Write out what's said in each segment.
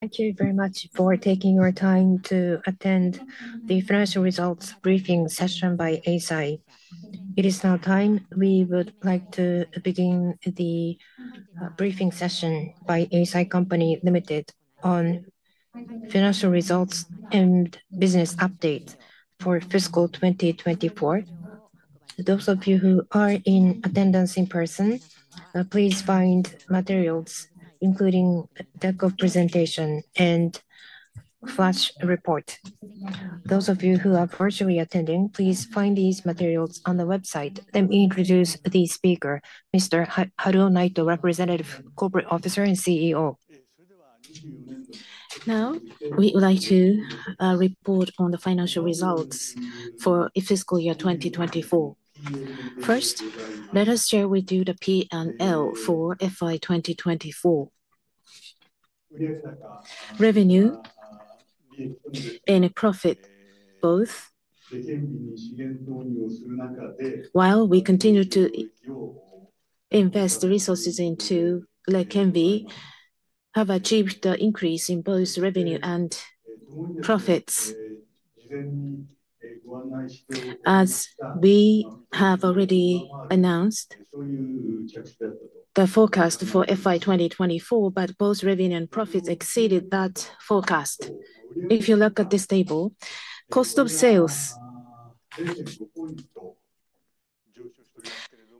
Thank you very much for taking your time to attend the financial results briefing session by Eisai. It is now time. We would like to begin the briefing session by Eisai on financial results and business updates for fiscal 2024. Those of you who are in attendance in person, please find materials, including the deck of presentation and flash report. Those of you who are virtually attending, please find these materials on the website. Let me introduce the speaker, Mr. Haruo Naito, Representative Corporate Officer and CEO. Now, we would like to report on the financial results for fiscal year 2024. First, let us share with you the P&L for FY 2024. Revenue and profit, both, while we continue to invest resources into Leqembi, have achieved an increase in both revenue and profits. As we have already announced, the forecast for FY 2024, but both revenue and profits exceeded that forecast. If you look at this table, cost of sales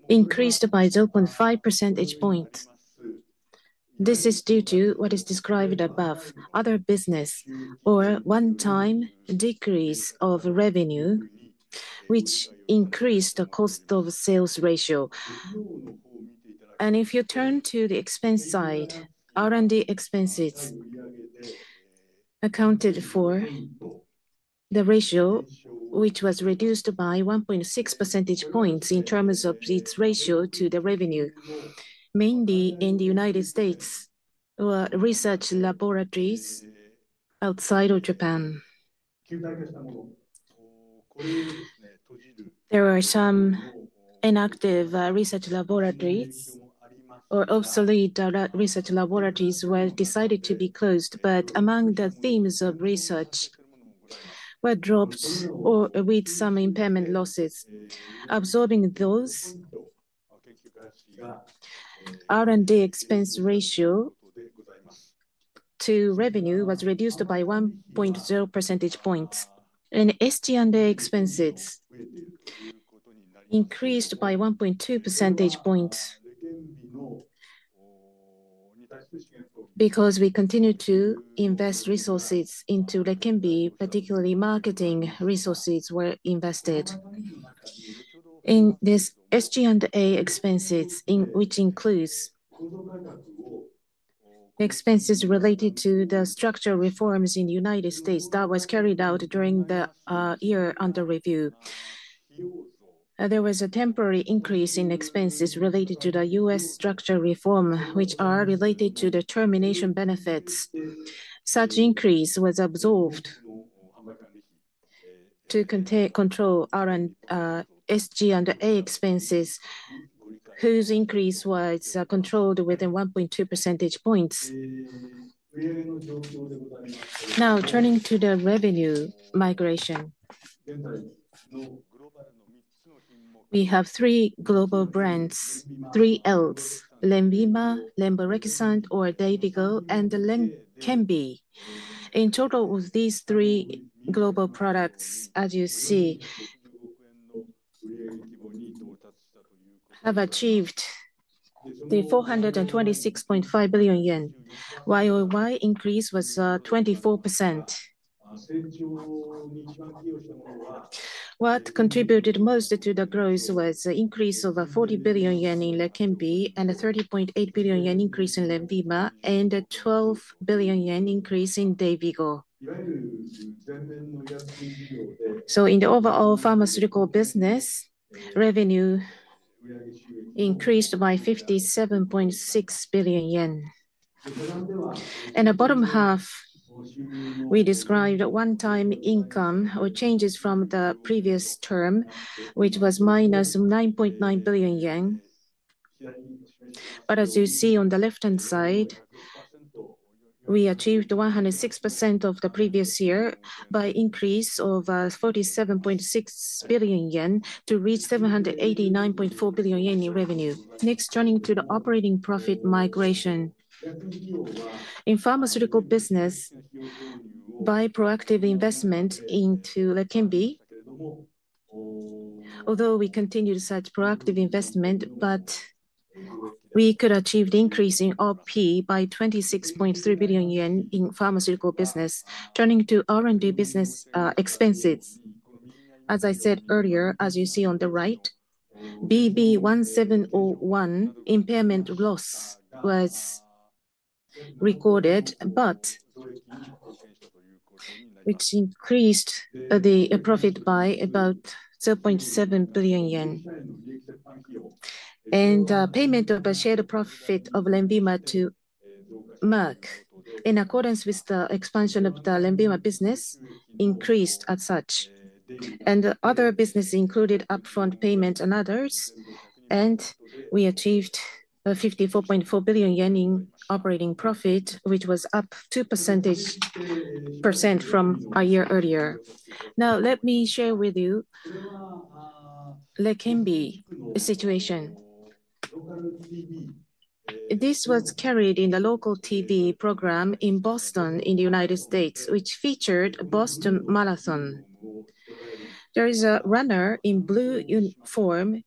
increased by 0.5 percentage points. This is due to what is described above, other business or one-time decrease of revenue, which increased the cost of sales ratio. If you turn to the expense side, R&D expenses accounted for the ratio, which was reduced by 1.6 percentage points in terms of its ratio to the revenue, mainly in the United States or research laboratories outside of Japan. There were some inactive research laboratories or obsolete research laboratories that were decided to be closed, but among the themes of research were drops or with some impairment losses. Absorbing those, R&D expense ratio to revenue was reduced by 1.0 percentage points. SG&A expenses increased by 1.2 percentage points because we continued to invest resources into Leqembi, particularly marketing resources were invested in this SG&A expenses, which includes expenses related to the structural reforms in the U.S. that were carried out during the year under review. There was a temporary increase in expenses related to the U.S. structural reform, which are related to the termination benefits. Such increase was absorbed to control SG&A expenses, whose increase was controlled within 1.2 percentage points. Now, turning to the revenue migration, we have three global brands, three Ls, Lenvima, Dayvigo, and Leqembi. In total, these three global products, as you see, have achieved 426.5 billion yen, while the year-on-year increase was 24%. What contributed most to the growth was the increase of 40 billion yen in Leqembi and a 30.8 billion yen increase in Lenvima, and a 12 billion yen increase in Dayvigo. In the overall pharmaceutical business, revenue increased by 57.6 billion yen. In the bottom half, we described one-time income or changes from the previous term, which was minus 9.9 billion yen. As you see on the left-hand side, we achieved 106% of the previous year by an increase of 47.6 billion yen to reach 789.4 billion yen in revenue. Next, turning to the operating profit migration. In pharmaceutical business, by proactive investment into Leqembi, although we continued such proactive investment, we could achieve an increase in OP by 26.3 billion yen in pharmaceutical business. Turning to R&D business expenses, as I said earlier, as you see on the right, BB-1701 impairment loss was recorded, which increased the profit by about 0.7 billion yen. Payment of a shared profit of Lenvima to Merck, in accordance with the expansion of the Lenvima business, increased as such. Other businesses included upfront payment and others, and we achieved 54.4 billion yen in operating profit, which was up 2 percentage points from a year earlier. Now, let me share with you Leqembi situation. This was carried in the local TV program in Boston in the United States, which featured Boston Marathon. There is a runner in blue uniform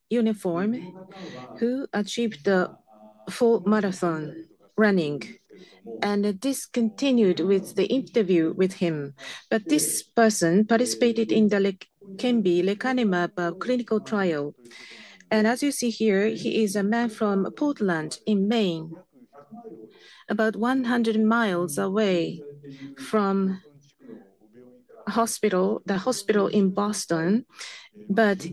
who achieved the full marathon running, and this continued with the interview with him. This person participated in the Leqembi lecanemab clinical trial. As you see here, he is a man from Portland in Maine, about 100 mi away from the hospital in Boston.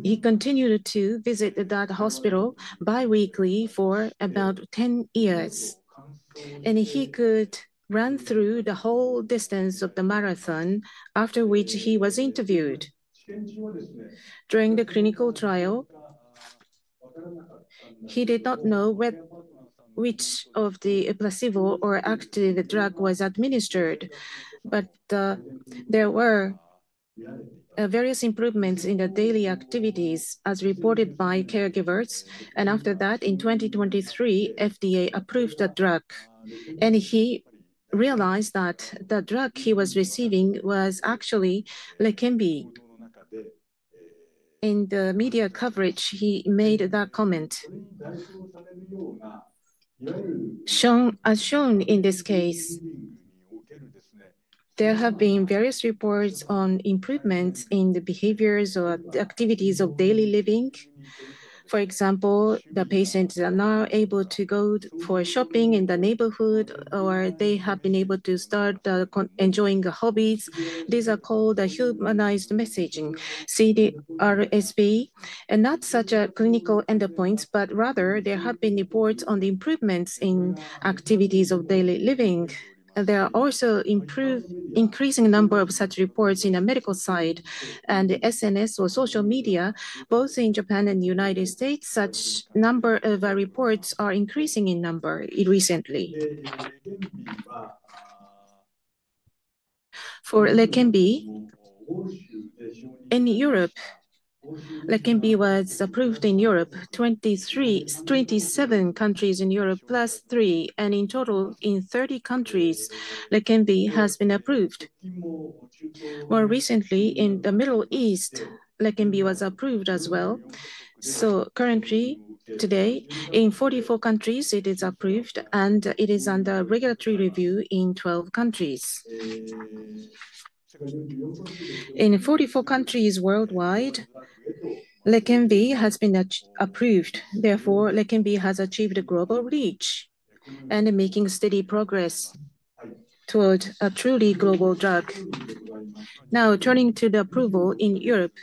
He continued to visit that hospital biweekly for about 10 years. He could run through the whole distance of the marathon, after which he was interviewed. During the clinical trial, he did not know which of the placebo or active drug was administered, but there were various improvements in the daily activities, as reported by caregivers. After that, in 2023, FDA approved the drug. He realized that the drug he was receiving was actually Leqembi. In the media coverage, he made that comment. As shown in this case, there have been various reports on improvements in the behaviors or activities of daily living. For example, the patients are now able to go for shopping in the neighborhood, or they have been able to start enjoying hobbies. These are called humanized messaging, CDR-SB. And not such a clinical endpoint, but rather there have been reports on the improvements in activities of daily living. There are also increasing numbers of such reports in the medical side and the SNS or social media. Both in Japan and the U.S., such number of reports are increasing in number recently. For Leqembi, in Europe, Leqembi was approved in Europe, 27 countries in Europe plus 3, and in total, in 30 countries, Leqembi has been approved. More recently, in the Middle East, Leqembi was approved as well. So currently, today, in 44 countries, it is approved, and it is under regulatory review in 12 countries. In 44 countries worldwide, Leqembi has been approved. Therefore, Leqembi has achieved global reach and is making steady progress toward a truly global drug. Now, turning to the approval in Europe,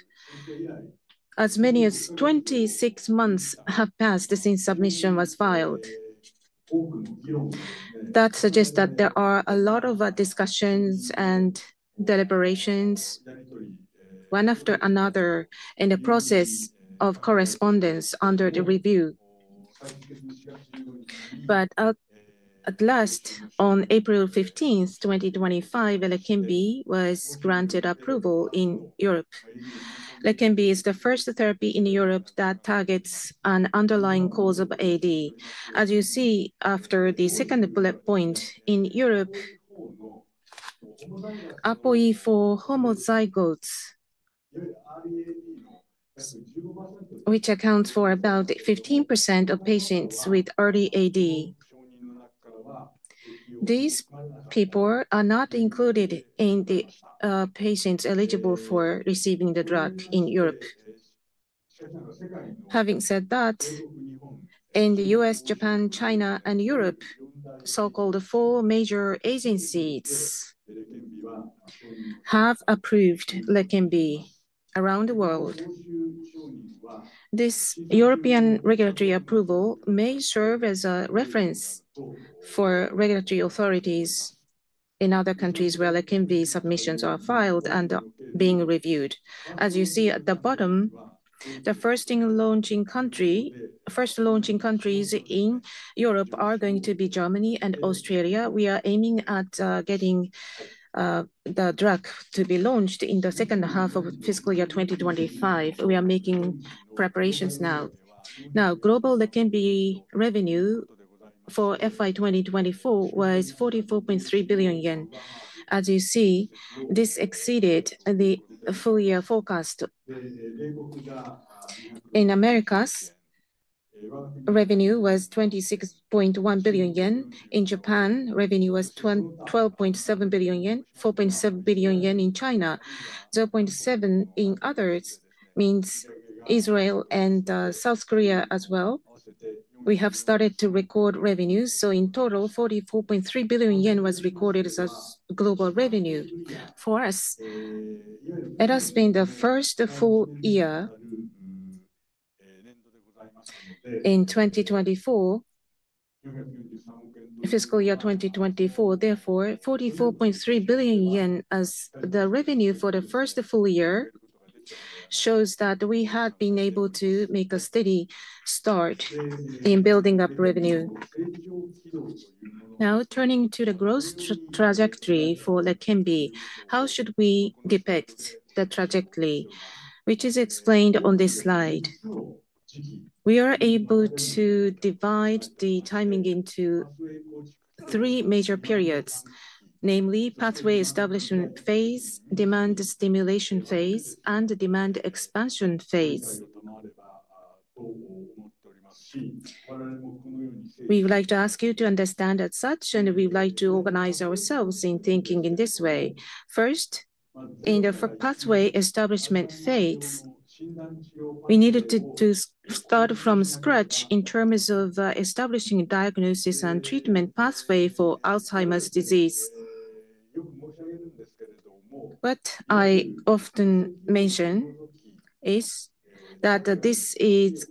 as many as 26 months have passed since submission was filed. That suggests that there are a lot of discussions and deliberations one after another in the process of correspondence under the review. At last, on April 15, 2025, Leqembi was granted approval in Europe. Leqembi is the first therapy in Europe that targets an underlying cause of AD. As you see after the second bullet point, in Europe, APOE for homozygotes, which accounts for about 15% of patients with early AD, these people are not included in the patients eligible for receiving the drug in Europe. Having said that, in the U.S., Japan, China, and Europe, so-called four major agencies have approved Leqembi around the world. This European regulatory approval may serve as a reference for regulatory authorities in other countries where Leqembi submissions are filed and being reviewed. As you see at the bottom, the first launching countries in Europe are going to be Germany and Australia. We are aiming at getting the drug to be launched in the second half of fiscal year 2025. We are making preparations now. Now, global Leqembi revenue for FY 2024 was 44.3 billion yen. As you see, this exceeded the full year forecast. In the Americas, revenue was 26.1 billion yen. In Japan, revenue was 12.7 billion yen, 4.7 billion yen in China, 0.7 billion in others, meaning Israel and South Korea as well. We have started to record revenues. In total, 44.3 billion yen was recorded as global revenue for us. It has been the first full year in 2024, fiscal year 2024. Therefore, 44.3 billion yen as the revenue for the first full year shows that we have been able to make a steady start in building up revenue. Now, turning to the growth trajectory for Leqembi, how should we depict the trajectory, which is explained on this slide? We are able to divide the timing into three major periods, namely pathway establishment phase, demand stimulation phase, and demand expansion phase. We would like to ask you to understand as such, and we would like to organize ourselves in thinking in this way. First, in the pathway establishment phase, we needed to start from scratch in terms of establishing a diagnosis and treatment pathway for Alzheimer's disease. What I often mention is that this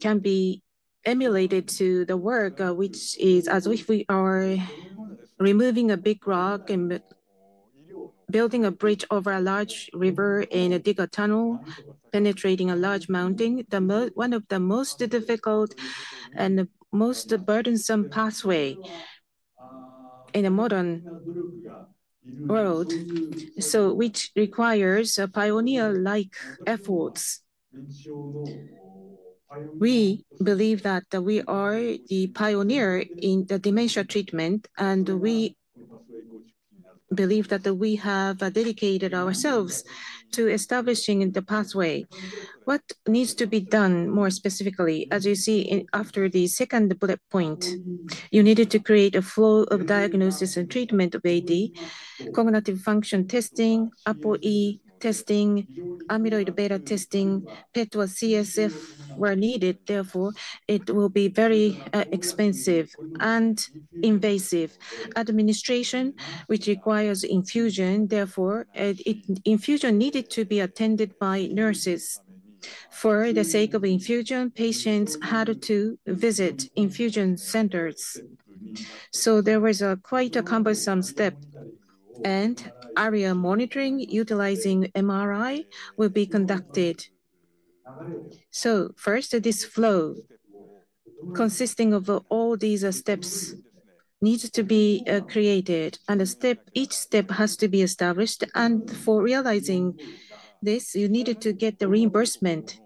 can be emulated to the work, which is as if we are removing a big rock and building a bridge over a large river in a digger tunnel, penetrating a large mountain, one of the most difficult and most burdensome pathways in the modern world, which requires pioneer-like efforts. We believe that we are the pioneer in the dementia treatment, and we believe that we have dedicated ourselves to establishing the pathway. What needs to be done more specifically? As you see, after the second bullet point, you needed to create a flow of diagnosis and treatment of AD, cognitive function testing, APOE testing, amyloid beta testing, PET or CSF were needed. Therefore, it will be very expensive and invasive. Administration, which requires infusion. Therefore, infusion needed to be attended by nurses. For the sake of infusion, patients had to visit infusion centers. There was quite a cumbersome step. Area monitoring utilizing MRI will be conducted. First, this flow consisting of all these steps needs to be created, and each step has to be established. For realizing this, you needed to get the reimbursement.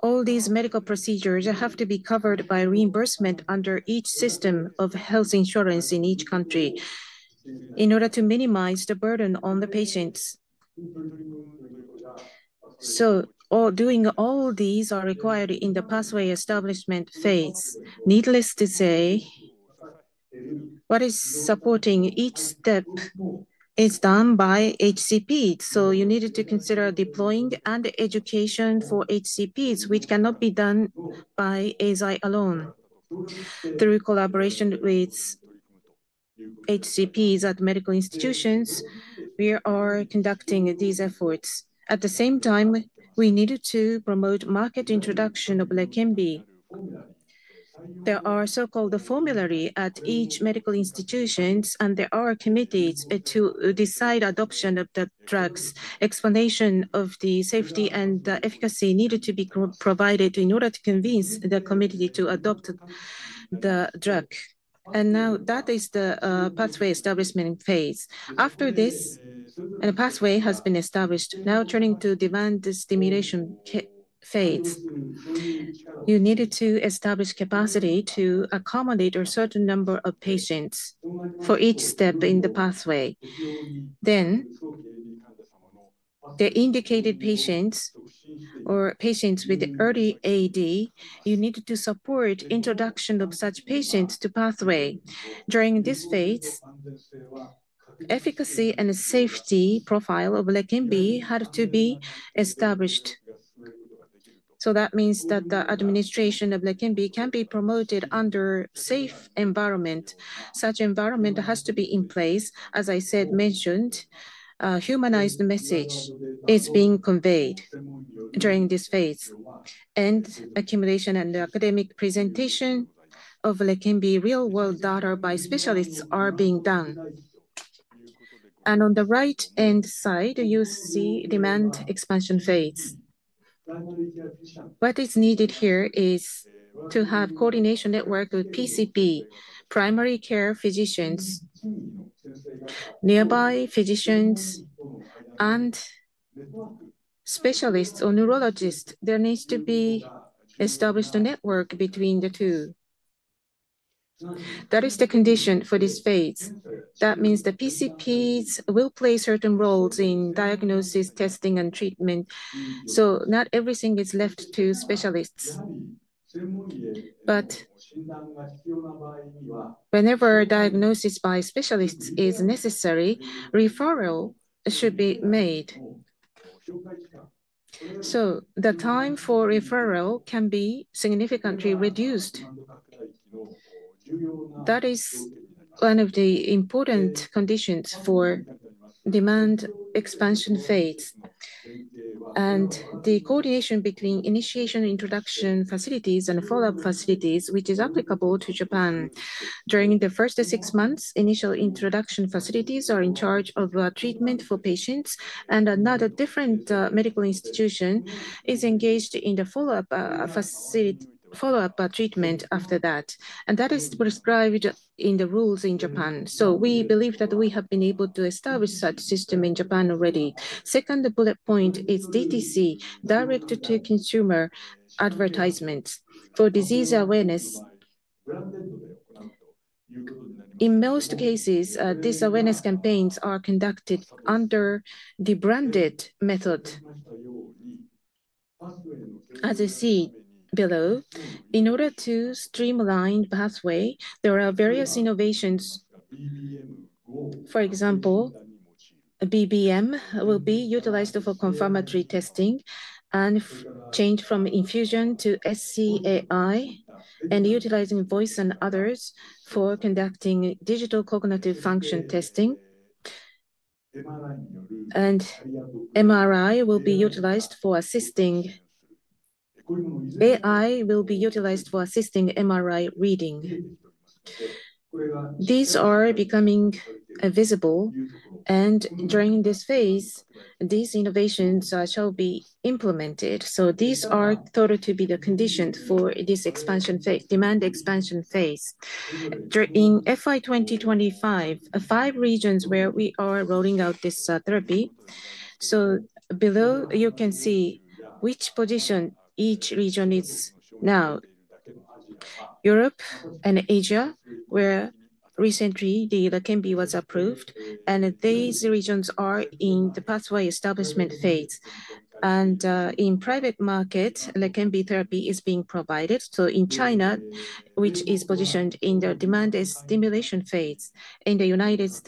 All these medical procedures have to be covered by reimbursement under each system of health insurance in each country in order to minimize the burden on the patients. Doing all these is required in the pathway establishment phase. Needless to say, what is supporting each step is done by HCPs. You needed to consider deploying and education for HCPs, which cannot be done by Eisai alone. Through collaboration with HCPs at medical institutions, we are conducting these efforts. At the same time, we needed to promote market introduction of Leqembi. There are so-called formulary at each medical institution, and there are committees to decide adoption of the drugs. Explanation of the safety and the efficacy needed to be provided in order to convince the community to adopt the drug. That is the pathway establishment phase. After this, a pathway has been established. Now turning to demand stimulation phase. You needed to establish capacity to accommodate a certain number of patients for each step in the pathway. The indicated patients or patients with early AD, you needed to support introduction of such patients to pathway. During this phase, efficacy and safety profile of Leqembi had to be established. That means that the administration of Leqembi can be promoted under a safe environment. Such environment has to be in place. As I mentioned, a humanized message is being conveyed during this phase. Accumulation and the academic presentation of Leqembi real-world data by specialists are being done. On the right-hand side, you see demand expansion phase. What is needed here is to have a coordination network with PCP, primary care physicians, nearby physicians, and specialists or neurologists. There needs to be established a network between the two. That is the condition for this phase. That means the PCPs will play certain roles in diagnosis, testing, and treatment. Not everything is left to specialists. Whenever diagnosis by specialists is necessary, referral should be made. The time for referral can be significantly reduced. That is one of the important conditions for demand expansion phase. The coordination between initiation introduction facilities and follow-up facilities, which is applicable to Japan. During the first six months, initial introduction facilities are in charge of treatment for patients, and another different medical institution is engaged in the follow-up treatment after that. That is prescribed in the rules in Japan. We believe that we have been able to establish such a system in Japan already. Second bullet point is DTC, direct-to-consumer advertisement for disease awareness. In most cases, these awareness campaigns are conducted under the branded method. As you see below, in order to streamline the pathway, there are various innovations. For example, BBM will be utilized for confirmatory testing and change from infusion to SCAI and utilizing voice and others for conducting digital cognitive function testing. MRI will be utilized for assisting, AI will be utilized for assisting MRI reading. These are becoming visible, and during this phase, these innovations shall be implemented. These are thought to be the conditions for this expansion phase, demand expansion phase. In FY 2025, five regions where we are rolling out this therapy. Below, you can see which position each region is now. Europe and Asia, where recently the Leqembi was approved, and these regions are in the pathway establishment phase. In private market, Leqembi therapy is being provided. In China, which is positioned in the demand stimulation phase, in the U.S.,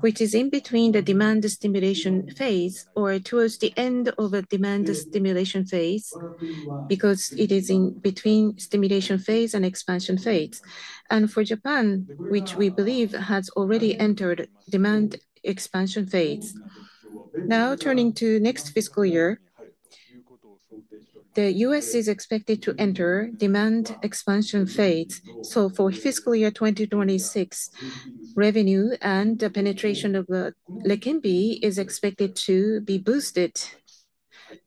which is in between the demand stimulation phase or towards the end of a demand stimulation phase because it is in between stimulation phase and expansion phase. For Japan, which we believe has already entered demand expansion phase. Now, turning to next fiscal year, the U.S. is expected to enter demand expansion phase. For fiscal year 2026, revenue and the penetration of Leqembi is expected to be boosted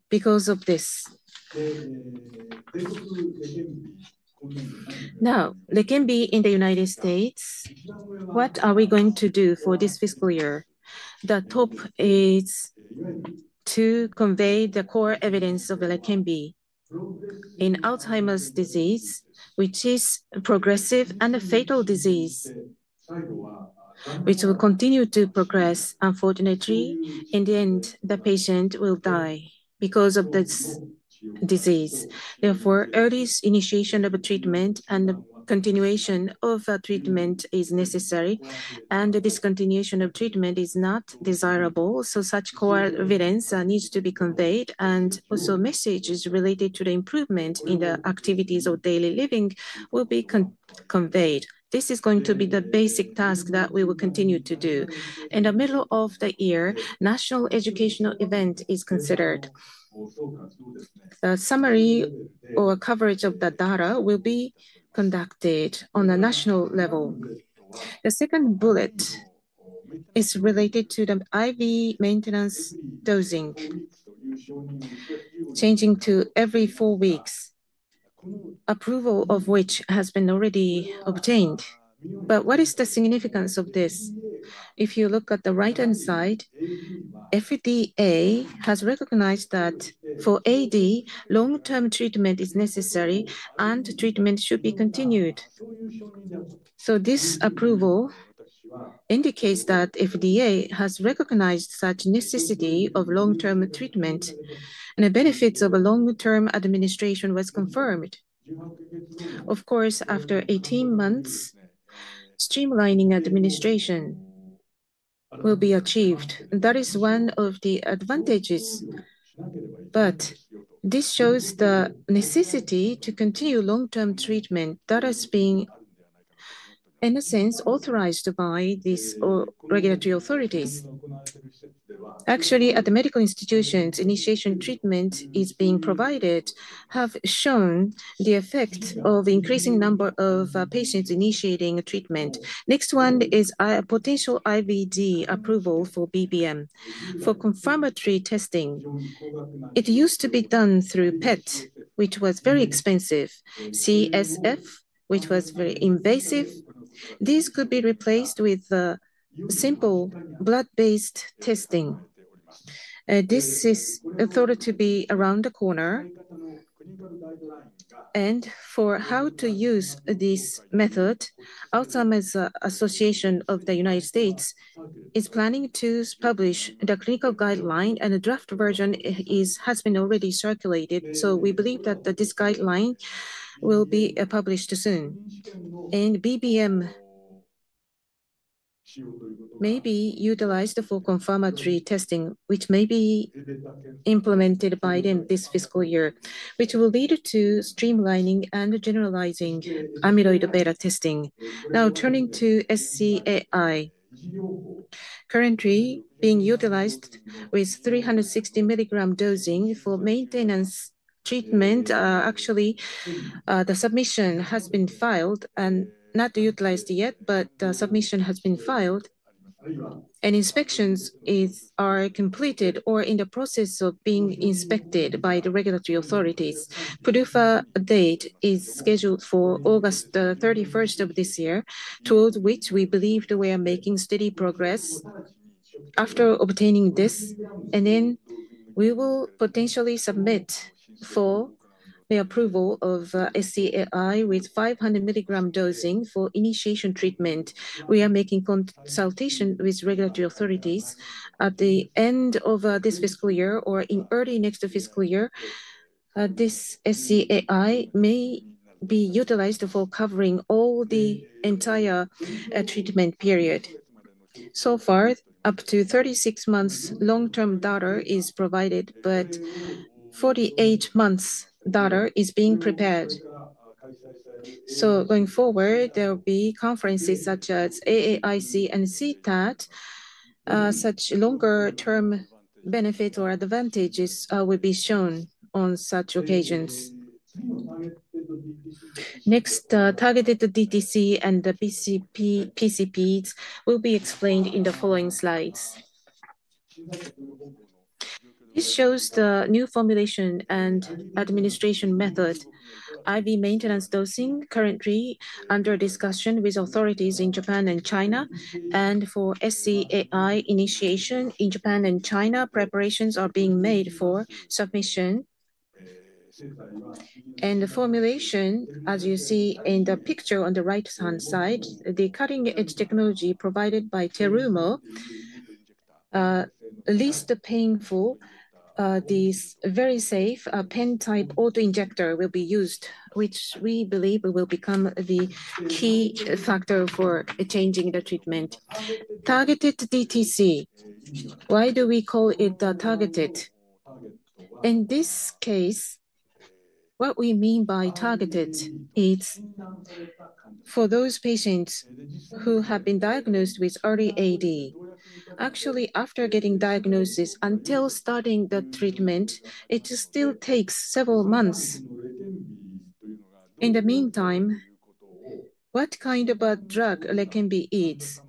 because of this. Now, Leqembi in the U.S., what are we going to do for this fiscal year? The top is to convey the core evidence of Leqembi in Alzheimer's disease, which is a progressive and a fatal disease, which will continue to progress. Unfortunately, in the end, the patient will die because of this disease. Therefore, early initiation of a treatment and the continuation of a treatment is necessary, and the discontinuation of treatment is not desirable. Such core evidence needs to be conveyed, and also messages related to the improvement in the activities of daily living will be conveyed. This is going to be the basic task that we will continue to do. In the middle of the year, national educational event is considered. The summary or coverage of the data will be conducted on a national level. The second bullet is related to the IV maintenance dosing, changing to every four weeks, approval of which has been already obtained. What is the significance of this? If you look at the right-hand side, FDA has recognized that for AD, long-term treatment is necessary and treatment should be continued. This approval indicates that FDA has recognized such necessity of long-term treatment and the benefits of a long-term administration was confirmed. Of course, after 18 months, streamlining administration will be achieved. That is one of the advantages. This shows the necessity to continue long-term treatment that has been, in a sense, authorized by these regulatory authorities. Actually, at the medical institutions, initiation treatment is being provided, have shown the effect of increasing number of patients initiating treatment. Next one is potential IVD approval for BBM. For confirmatory testing, it used to be done through PET, which was very expensive, CSF, which was very invasive. This could be replaced with simple blood-based testing. This is thought to be around the corner. For how to use this method, Alzheimer's Association of the United States is planning to publish the clinical guideline, and the draft version has been already circulated. We believe that this guideline will be published soon. BBM may be utilized for confirmatory testing, which may be implemented by them this fiscal year, which will lead to streamlining and generalizing amyloid beta testing. Now, turning to SCAI, currently being utilized with 360 mg dosing for maintenance treatment. Actually, the submission has been filed and not utilized yet, but the submission has been filed. Inspections are completed or in the process of being inspected by the regulatory authorities. The PDUFA date is scheduled for August 31 of this year, towards which we believe that we are making steady progress. After obtaining this, we will potentially submit for the approval of SCAI with 500 milligram dosing for initiation treatment. We are making consultation with regulatory authorities at the end of this fiscal year or in early next fiscal year. This SCAI may be utilized for covering the entire treatment period. So far, up to 36 months long-term data is provided, but 48 months data is being prepared. Going forward, there will be conferences such as AAIC and CTAT. Such longer-term benefits or advantages will be shown on such occasions. Next, targeted DTC and PCPs will be explained in the following slides. This shows the new formulation and administration method. IV maintenance dosing currently under discussion with authorities in Japan and China. For SCAI initiation in Japan and China, preparations are being made for submission. The formulation, as you see in the picture on the right-hand side, the cutting-edge technology provided by Terumo, least painful, this very safe pen-type auto injector will be used, which we believe will become the key factor for changing the treatment. Targeted DTC, why do we call it targeted? In this case, what we mean by targeted is for those patients who have been diagnosed with early AD. Actually, after getting diagnosis, until starting the treatment, it still takes several months. In the meantime, what kind of a drug Leqembi is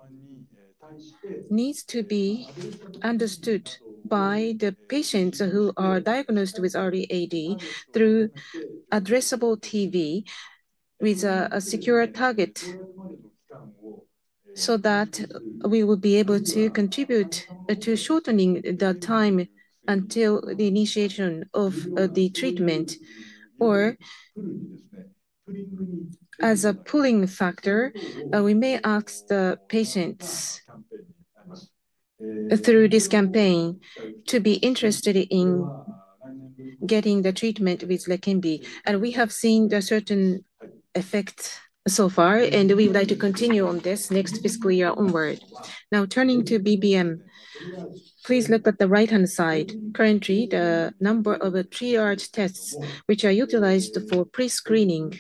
needs to be understood by the patients who are diagnosed with early AD through addressable TV with a secure target so that we will be able to contribute to shortening the time until the initiation of the treatment. Or as a pulling factor, we may ask the patients through this campaign to be interested in getting the treatment with Leqembi. We have seen a certain effect so far, and we would like to continue on this next fiscal year onward. Now, turning to BBM, please look at the right-hand side. Currently, the number of triage tests, which are utilized for pre-screening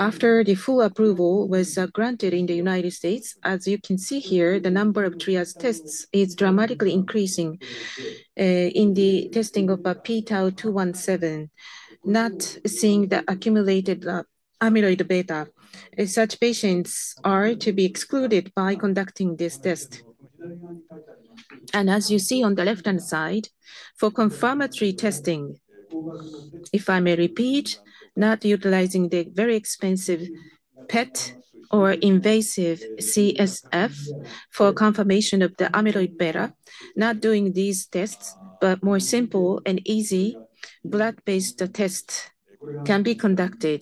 after the full approval was granted in the United States, as you can see here, the number of triage tests is dramatically increasing in the testing of pTau217, not seeing the accumulated amyloid beta. Such patients are to be excluded by conducting this test. As you see on the left-hand side, for confirmatory testing, if I may repeat, not utilizing the very expensive PET or invasive CSF for confirmation of the amyloid beta, not doing these tests, but more simple and easy blood-based tests can be conducted,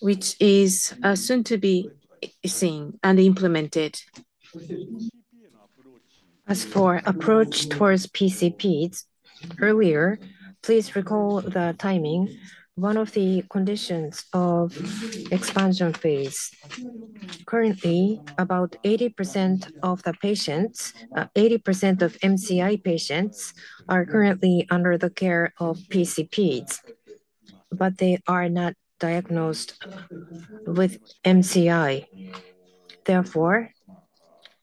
which is soon to be seen and implemented. As for approach towards PCPs earlier, please recall the timing, one of the conditions of expansion phase. Currently, about 80% of the patients, 80% of MCI patients are currently under the care of PCPs, but they are not diagnosed with MCI. Therefore,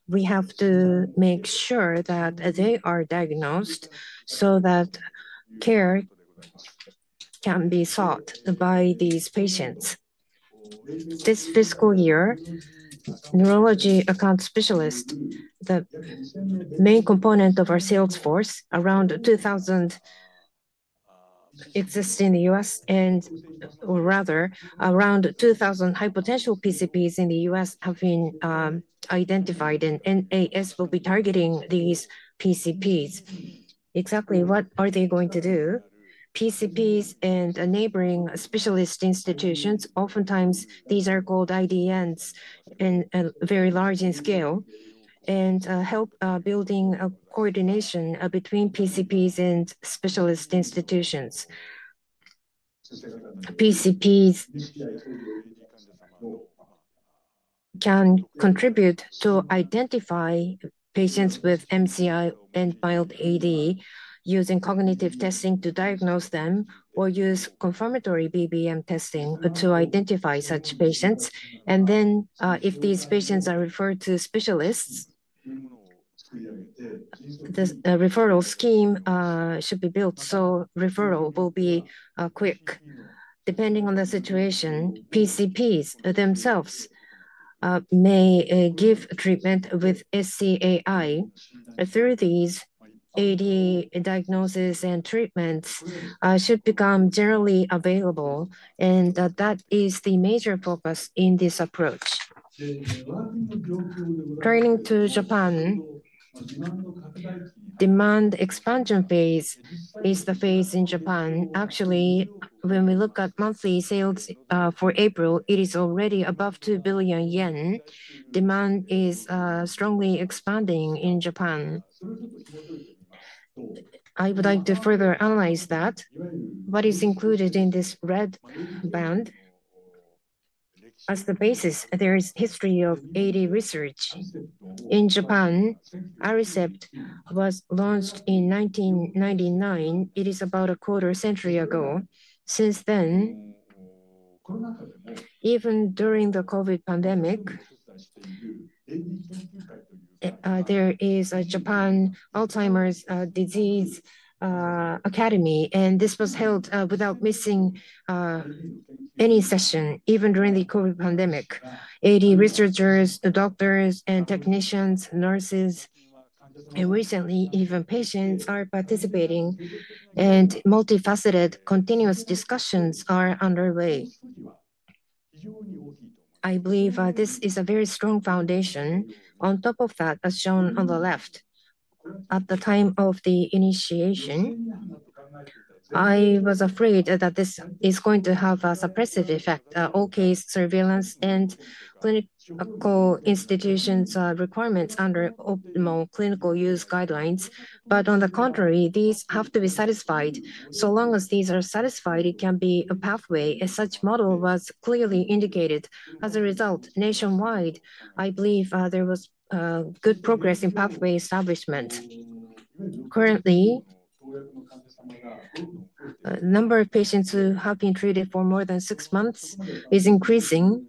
we have to make sure that they are diagnosed so that care can be sought by these patients. This fiscal year, neurology account specialist, the main component of our sales force, around 2,000 exist in the U.S., and rather around 2,000 high-potential PCPs in the U.S. have been identified, and NAS will be targeting these PCPs. Exactly what are they going to do? PCPs and neighboring specialist institutions, oftentimes these are called IDNs and very large in scale, and help building coordination between PCPs and specialist institutions. PCPs can contribute to identify patients with MCI and mild AD using cognitive testing to diagnose them or use confirmatory BBM testing to identify such patients. If these patients are referred to specialists, the referral scheme should be built. Referral will be quick. Depending on the situation, PCPs themselves may give treatment with SCAI through these AD diagnoses and treatments should become generally available, and that is the major focus in this approach. Turning to Japan, demand expansion phase is the phase in Japan. Actually, when we look at monthly sales for April, it is already above 2 billion yen. Demand is strongly expanding in Japan. I would like to further analyze that. What is included in this red band? As the basis, there is history of AD research. In Japan, Aricept was launched in 1999. It is about a quarter century ago. Since then, even during the COVID pandemic, there is a Japan Alzheimer's Disease Academy, and this was held without missing any session, even during the COVID pandemic. AD researchers, doctors, technicians, nurses, and recently even patients are participating, and multifaceted continuous discussions are underway. I believe this is a very strong foundation. On top of that, as shown on the left, at the time of the initiation, I was afraid that this is going to have a suppressive effect, okay, surveillance and clinical institutions' requirements under optimal clinical use guidelines. On the contrary, these have to be satisfied. So long as these are satisfied, it can be a pathway. Such model was clearly indicated. As a result, nationwide, I believe there was good progress in pathway establishment. Currently, the number of patients who have been treated for more than six months is increasing.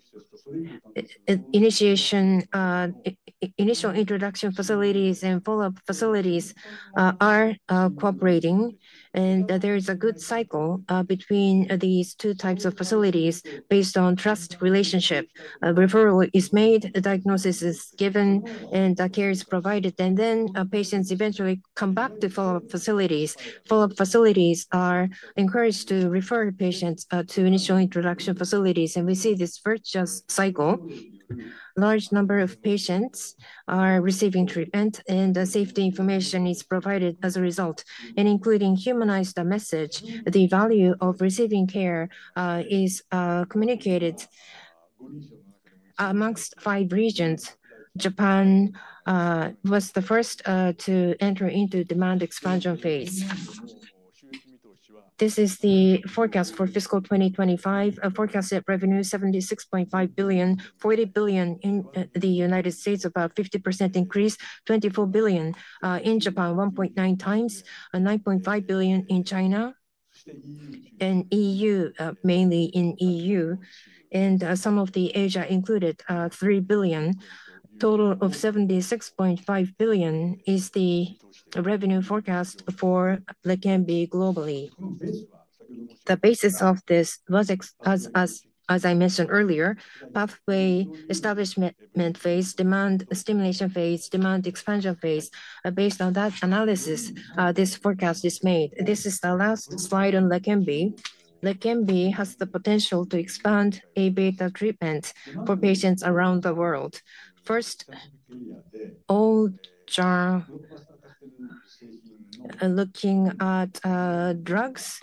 Initial introduction facilities and follow-up facilities are cooperating, and there is a good cycle between these two types of facilities based on trust relationship. Referral is made, diagnosis is given, and care is provided, and then patients eventually come back to follow-up facilities. Follow-up facilities are encouraged to refer patients to initial introduction facilities, and we see this virtuous cycle. Large number of patients are receiving treatment, and safety information is provided as a result, including humanized message. The value of receiving care is communicated amongst five regions. Japan was the first to enter into demand expansion phase. This is the forecast for fiscal 2025. Forecasted revenue, 76.5 billion, $40 billion in the U.S., about 50% increase, 24 billion in Japan, 1.9 times, 9.5 billion in China, and EU, mainly in EU, and some of the Asia included, 3 billion. Total of 76.5 billion is the revenue forecast for Leqembi globally. The basis of this was, as I mentioned earlier, pathway establishment phase, demand stimulation phase, demand expansion phase. Based on that analysis, this forecast is made. This is the last slide on Leqembi. Leqembi has the potential to expand A beta treatment for patients around the world. First, all-star looking at drugs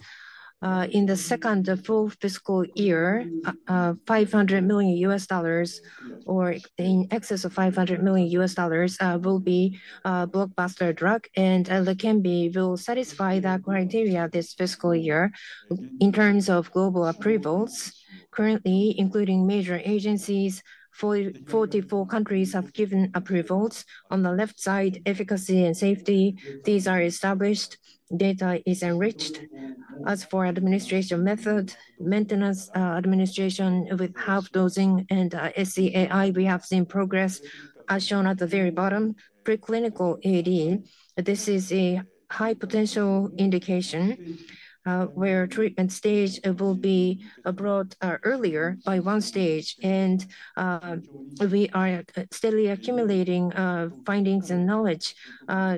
in the second full fiscal year, $500 million or in excess of $500 million will be a blockbuster drug, and Leqembi will satisfy that criteria this fiscal year in terms of global approvals. Currently, including major agencies, 44 countries have given approvals. On the left side, efficacy and safety, these are established. Data is enriched. As for administration method, maintenance administration with half dosing and SCAI, we have seen progress as shown at the very bottom. Pre-clinical AD, this is a high potential indication where treatment stage will be brought earlier by one stage, and we are steadily accumulating findings and knowledge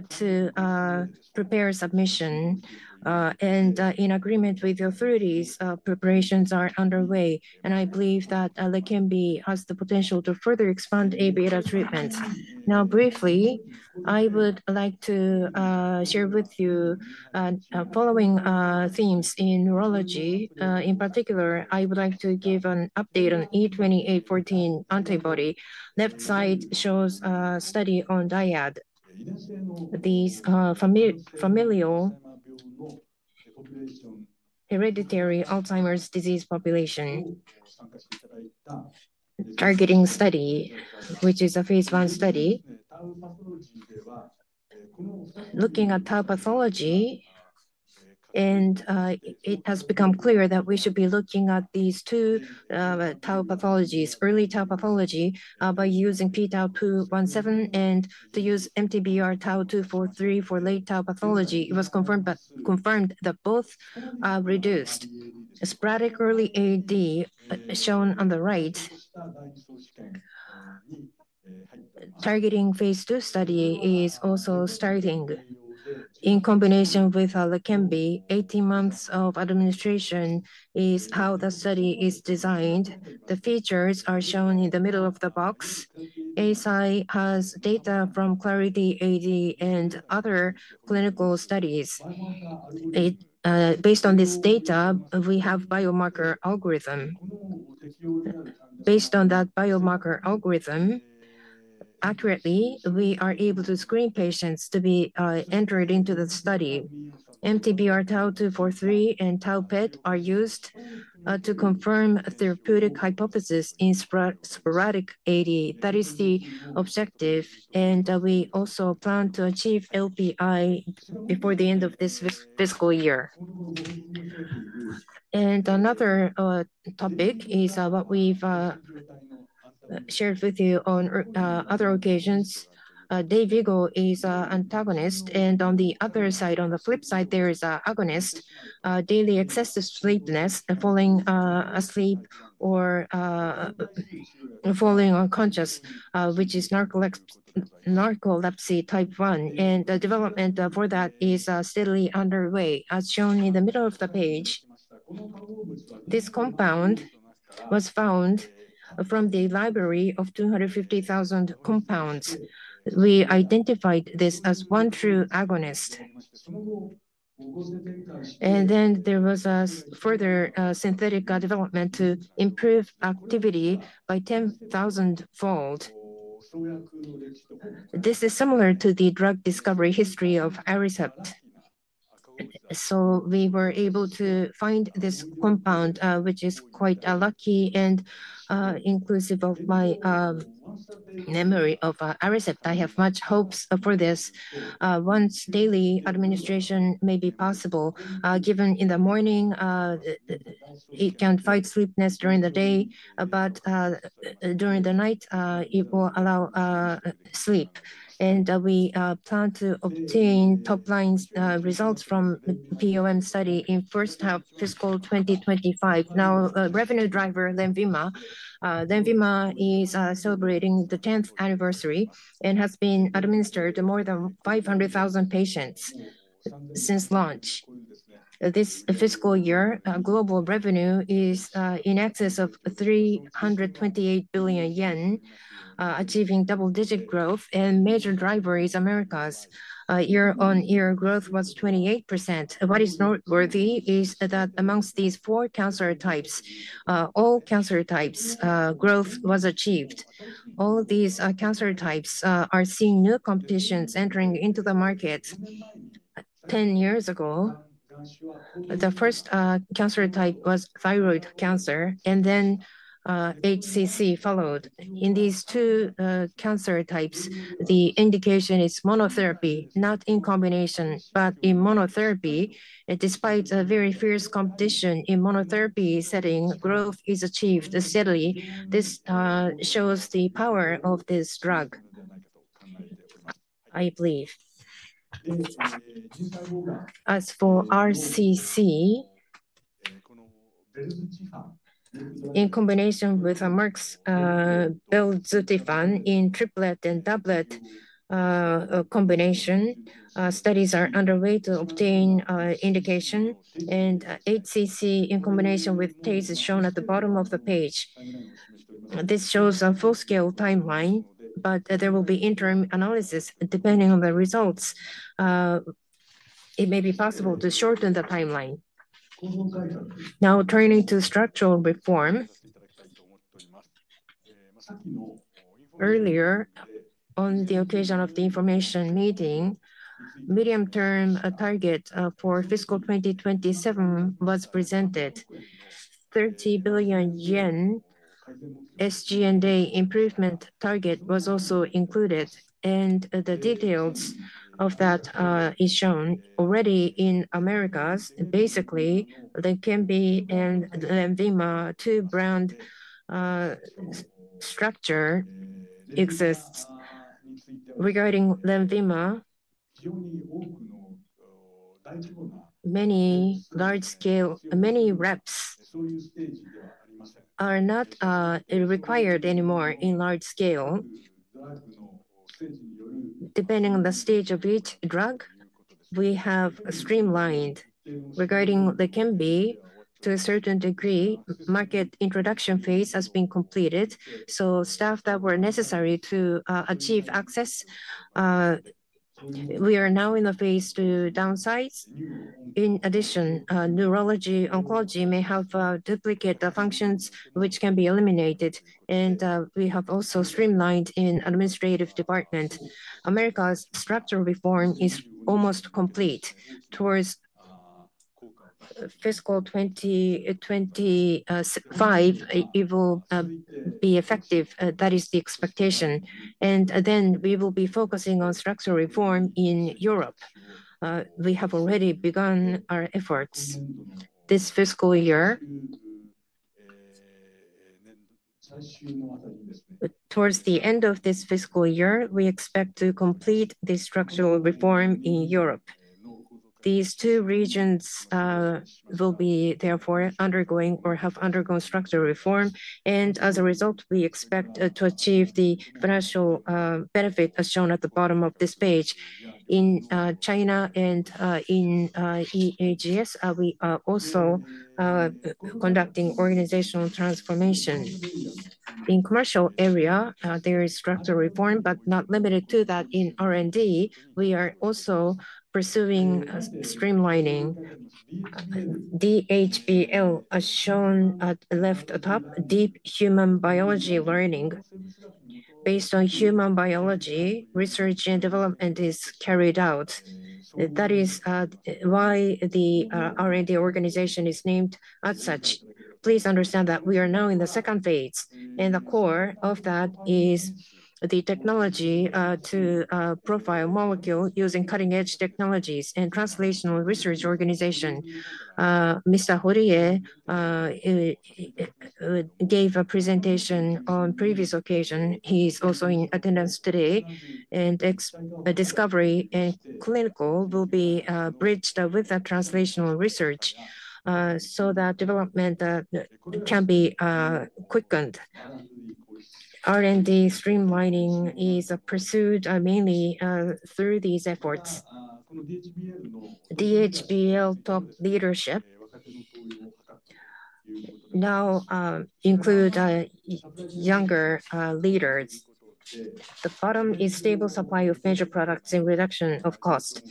to prepare submission. In agreement with the authorities, preparations are underway, and I believe that Leqembi has the potential to further expand A beta treatments. Now, briefly, I would like to share with you the following themes in neurology. In particular, I would like to give an update on E2814 antibody. Left side shows a study on DIAD. These familial hereditary Alzheimer's disease population targeting study, which is a phase one study. Looking at tau pathology, and it has become clear that we should be looking at these two tau pathologies, early tau pathology, by using pTau217 and to use MTBR Tau243 for late tau pathology. It was confirmed that both reduced. Sporadic early AD shown on the right. Targeting phase two study is also starting in combination with Leqembi. Eighteen months of administration is how the study is designed. The features are shown in the middle of the box. Eisai has data from Clarity AD and other clinical studies. Based on this data, we have a biomarker algorithm. Based on that biomarker algorithm, accurately, we are able to screen patients to be entered into the study. MTBR Tau243 and Tau PET are used to confirm therapeutic hypothesis in sporadic AD. That is the objective, and we also plan to achieve LPI before the end of this fiscal year. Another topic is what we've shared with you on other occasions. Dayvigo is antagonist, and on the other side, on the flip side, there is an agonist, daily excessive sleepiness, falling asleep or falling unconscious, which is narcolepsy type 1. The development for that is steadily underway, as shown in the middle of the page. This compound was found from the library of 250,000 compounds. We identified this as one true agonist. There was a further synthetic development to improve activity by 10,000-fold. This is similar to the drug discovery history of Aricept. We were able to find this compound, which is quite lucky and inclusive of my memory of Aricept. I have much hopes for this. Once daily administration may be possible, given in the morning, it can fight sleepiness during the day, but during the night, it will allow sleep. We plan to obtain top-line results from PoM study in first half fiscal 2025. Now, revenue driver, Lenvima. Lenvima is celebrating the 10th anniversary and has been administered to more than 500,000 patients since launch. This fiscal year, global revenue is in excess of 328 billion yen, achieving double-digit growth, and major driver is Americas. Year-on-year growth was 28%. What is noteworthy is that amongst these four cancer types, all cancer types growth was achieved. All these cancer types are seeing new competitions entering into the market. Ten years ago, the first cancer type was thyroid cancer. Then HCC followed. In these two cancer types, the indication is monotherapy, not in combination, but in monotherapy. Despite very fierce competition in the monotherapy setting, growth is achieved steadily. This shows the power of this drug, I believe. As for RCC, in combination with Merck's Belzutifan in triplet and doublet combination, studies are underway to obtain indication, and HCC in combination with TACE is shown at the bottom of the page. This shows a full-scale timeline, but there will be interim analysis depending on the results. It may be possible to shorten the timeline. Now, turning to structural reform, earlier on the occasion of the information meeting, medium-term target for fiscal 2027 was presented. 30 billion yen SG&A improvement target was also included, and the details of that are shown already in Americas. Basically, Leqembi and Lenvima, two-brand structure exists. Regarding Lenvima, many large-scale, many reps are not required anymore in large scale. Depending on the stage of each drug, we have streamlined. Regarding Leqembi, to a certain degree, market introduction phase has been completed. Staff that were necessary to achieve access, we are now in the phase to downsize. In addition, neurology and oncology may have duplicate functions which can be eliminated, and we have also streamlined in the administrative department. Americas structural reform is almost complete. Towards fiscal 2025, it will be effective. That is the expectation. We will be focusing on structural reform in Europe. We have already begun our efforts this fiscal year. Towards the end of this fiscal year, we expect to complete the structural reform in Europe. These two regions will be therefore undergoing or have undergone structural reform. As a result, we expect to achieve the financial benefit as shown at the bottom of this page. In China and in EAGS, we are also conducting organizational transformation. In the commercial area, there is structural reform, but not limited to that. In R&D, we are also pursuing streamlining. DHBL, as shown at the left top, deep human biology learning. Based on human biology, research and development is carried out. That is why the R&D organization is named as such. Please understand that we are now in the second phase. The core of that is the technology to profile molecules using cutting-edge technologies and translational research organization. Mr. Horie gave a presentation on a previous occasion. He is also in attendance today. Discovery and clinical will be bridged with translational research so that development can be quickened. R&D streamlining is pursued mainly through these efforts. DHBL top leadership now includes younger leaders. The bottom is stable supply of major products and reduction of cost.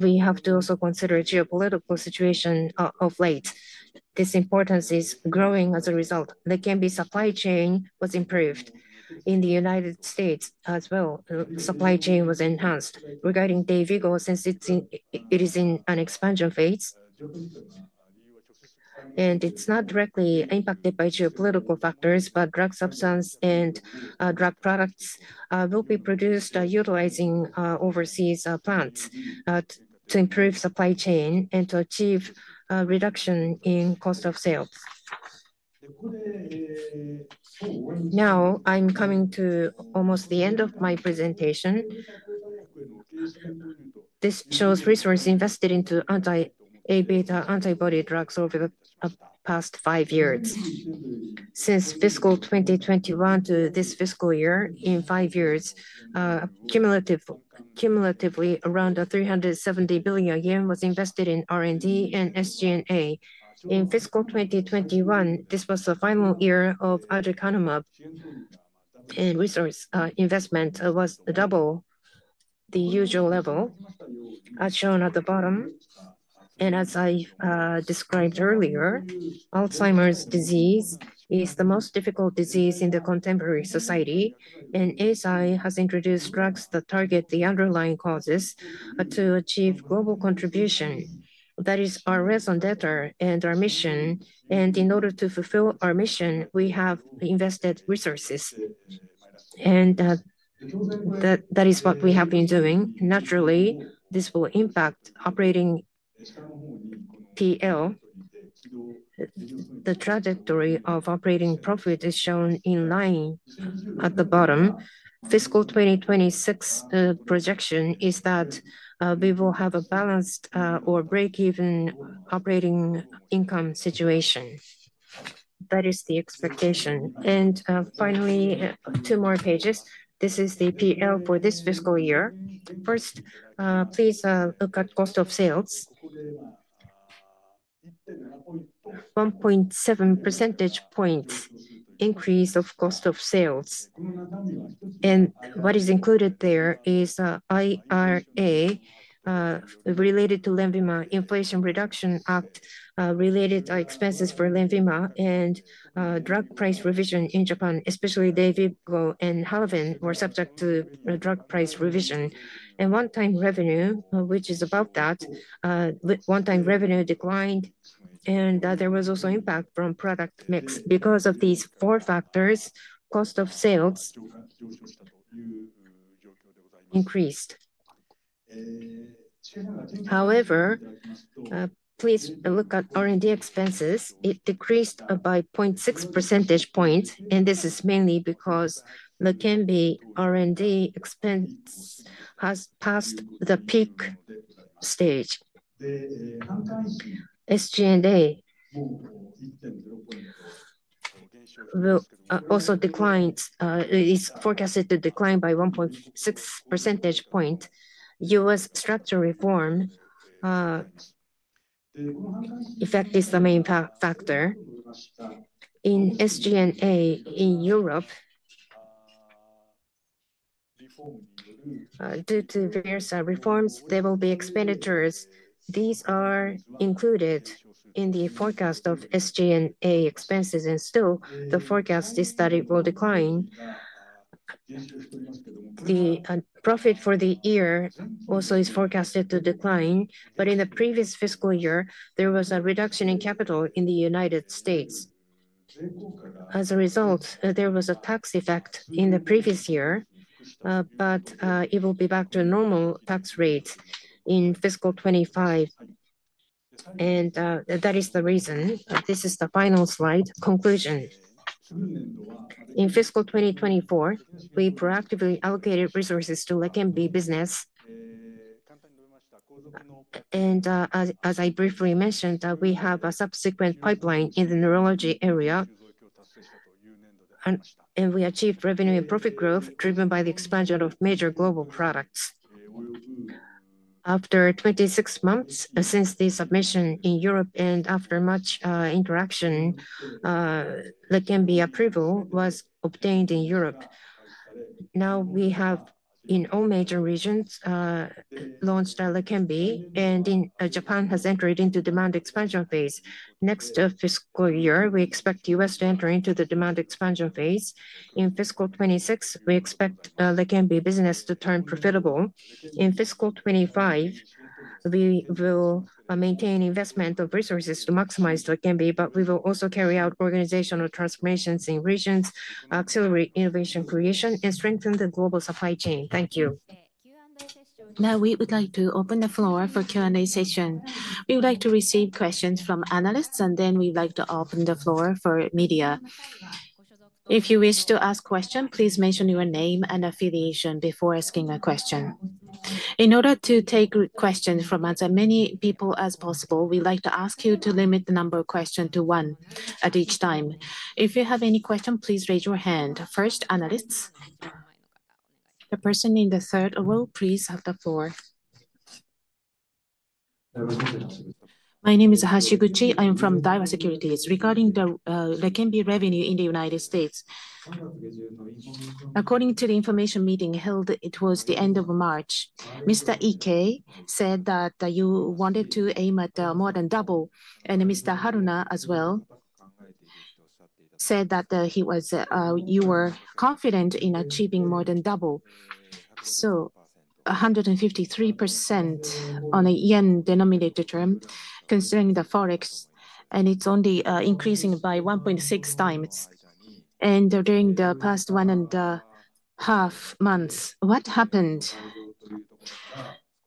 We have to also consider the geopolitical situation of late. This importance is growing as a result. Leqembi's supply chain was improved. In the U.S. as well, supply chain was enhanced. Regarding Dayvigo, since it is in an expansion phase, and it is not directly impacted by geopolitical factors, but drug substance and drug products will be produced utilizing overseas plants to improve supply chain and to achieve reduction in cost of sales. Now, I am coming to almost the end of my presentation. This shows resources invested into A beta antibody drugs over the past five years. Since fiscal 2021 to this fiscal year, in five years, cumulatively around 370 billion yen was invested in R&D and SG&A. In fiscal 2021, this was the final year of Aducanumab, and resource investment was double the usual level, as shown at the bottom. As I described earlier, Alzheimer's disease is the most difficult disease in contemporary society, and Eisai has introduced drugs that target the underlying causes to achieve global contribution. That is our raison d'être and our mission. In order to fulfill our mission, we have invested resources. That is what we have been doing. Naturally, this will impact operating P&L. The trajectory of operating profit is shown in line at the bottom. Fiscal 2026 projection is that we will have a balanced or break-even operating income situation. That is the expectation. Finally, two more pages. This is the PL for this fiscal year. First, please look at cost of sales. 1.7 percentage points increase of cost of sales. What is included there is IRA related to Lenvima, Inflation Reduction Act related expenses for Lenvima, and drug price revision in Japan, especially Dayvigo and Halaven were subject to drug price revision. One-time revenue, which is above that, one-time revenue declined, and there was also impact from product mix. Because of these four factors, cost of sales increased. However, please look at R&D expenses. It decreased by 0.6 percentage points, and this is mainly because Leqembi R&D expense has passed the peak stage. SG&A also declined. It is forecasted to decline by 1.6 percentage points. U.S. structural reform effect is the main factor. In SG&A in Europe, due to various reforms, there will be expenditures. These are included in the forecast of SG&A expenses, and still, the forecast is that it will decline. The profit for the year also is forecasted to decline, but in the previous fiscal year, there was a reduction in capital in the U.S. As a result, there was a tax effect in the previous year, but it will be back to normal tax rates in fiscal 2025. That is the reason. This is the final slide. Conclusion. In fiscal 2024, we proactively allocated resources to Leqembi business. As I briefly mentioned, we have a subsequent pipeline in the neurology area, and we achieved revenue and profit growth driven by the expansion of major global products. After 26 months since the submission in Europe and after much interaction, Leqembi approval was obtained in Europe. Now we have, in all major regions, launched Leqembi, and Japan has entered into demand expansion phase. Next fiscal year, we expect the U.S. to enter into the demand expansion phase. In fiscal 2026, we expect Leqembi business to turn profitable. In fiscal 2025, we will maintain investment of resources to maximize Leqembi, but we will also carry out organizational transformations in regions, auxiliary innovation creation, and strengthen the global supply chain. Thank you. Now, we would like to open the floor for Q&A session. We would like to receive questions from analysts, and then we'd like to open the floor for media. If you wish to ask a question, please mention your name and affiliation before asking a question. In order to take questions from as many people as possible, we'd like to ask you to limit the number of questions to one at each time. If you have any question, please raise your hand. First, analysts. The person in the third row, please have the floor. My name is Hashiguchi. I am from Daiwa Securities. Regarding the Leqembi revenue in the U.S., according to the information meeting held, it was the end of March. Mr. Ike said that you wanted to aim at more than double, and Mr. Haruna as well said that you were confident in achieving more than double. So, 153% on a yen denominator term concerning the forex, and it is only increasing by 1.6 times during the past one and a half months. What happened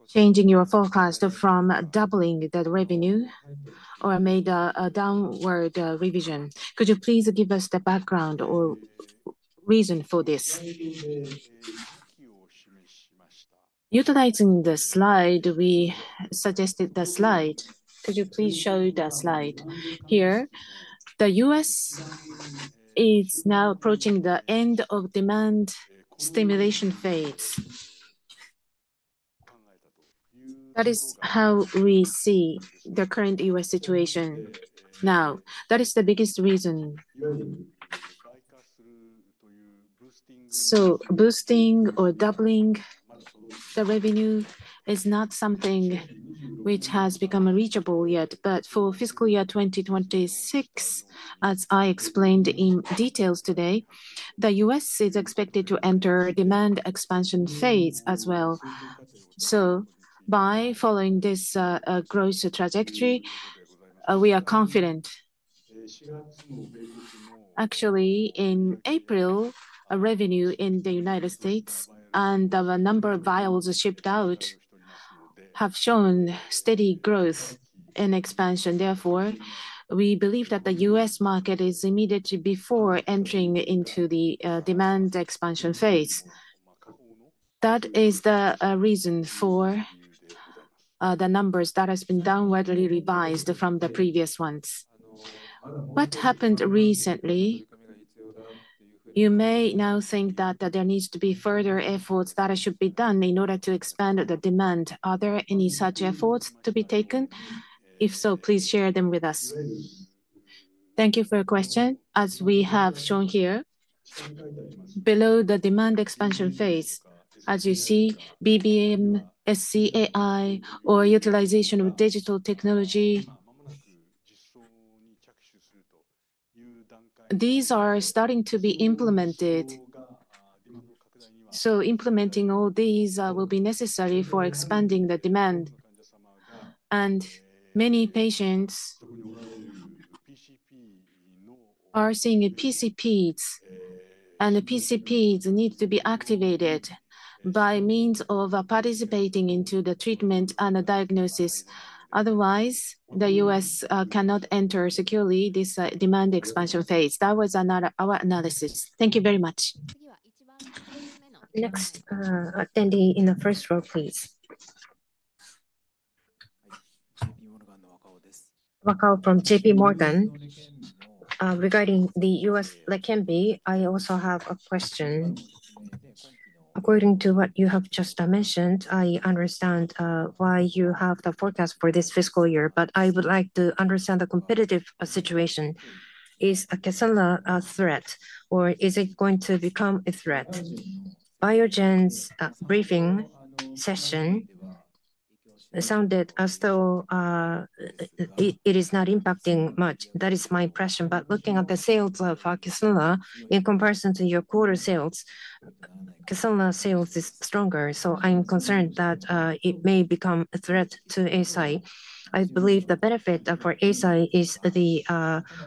changing your forecast from doubling the revenue or made a downward revision? Could you please give us the background or reason for this? Utilizing the slide, we suggested the slide. Could you please show the slide? Here, the U.S. is now approaching the end of demand stimulation phase. That is how we see the current U.S. situation now. That is the biggest reason. Boosting or doubling the revenue is not something which has become reachable yet, but for fiscal year 2026, as I explained in detail today, the U.S. is expected to enter a demand expansion phase as well. By following this growth trajectory, we are confident. Actually, in April, revenue in the United States and the number of vials shipped out have shown steady growth and expansion. Therefore, we believe that the U.S. market is immediately before entering into the demand expansion phase. That is the reason for the numbers that have been downwardly revised from the previous ones. What happened recently? You may now think that there needs to be further efforts that should be done in order to expand the demand. Are there any such efforts to be taken? If so, please share them with us. Thank you for your question. As we have shown here, below the demand expansion phase, as you see, BBM, SCAI, or utilization of digital technology, these are starting to be implemented. Implementing all these will be necessary for expanding the demand. Many patients are seeing PCPs, and the PCPs need to be activated by means of participating in the treatment and the diagnosis. Otherwise, the U.S. cannot enter securely this demand expansion phase. That was our analysis. Thank you very much. Next, attendee in the first row, please. Wakao from JPMorgan. Regarding the U.S. Leqembi, I also have a question. According to what you have just mentioned, I understand why you have the forecast for this fiscal year, but I would like to understand the competitive situation. Is Leqembi a threat, or is it going to become a threat? Biogen's briefing session sounded as though it is not impacting much. That is my impression. Looking at the sales of Leqembi in comparison to your quarter sales, Leqembi's sales are stronger, so I'm concerned that it may become a threat to Eisai. I believe the benefit for Eisai is the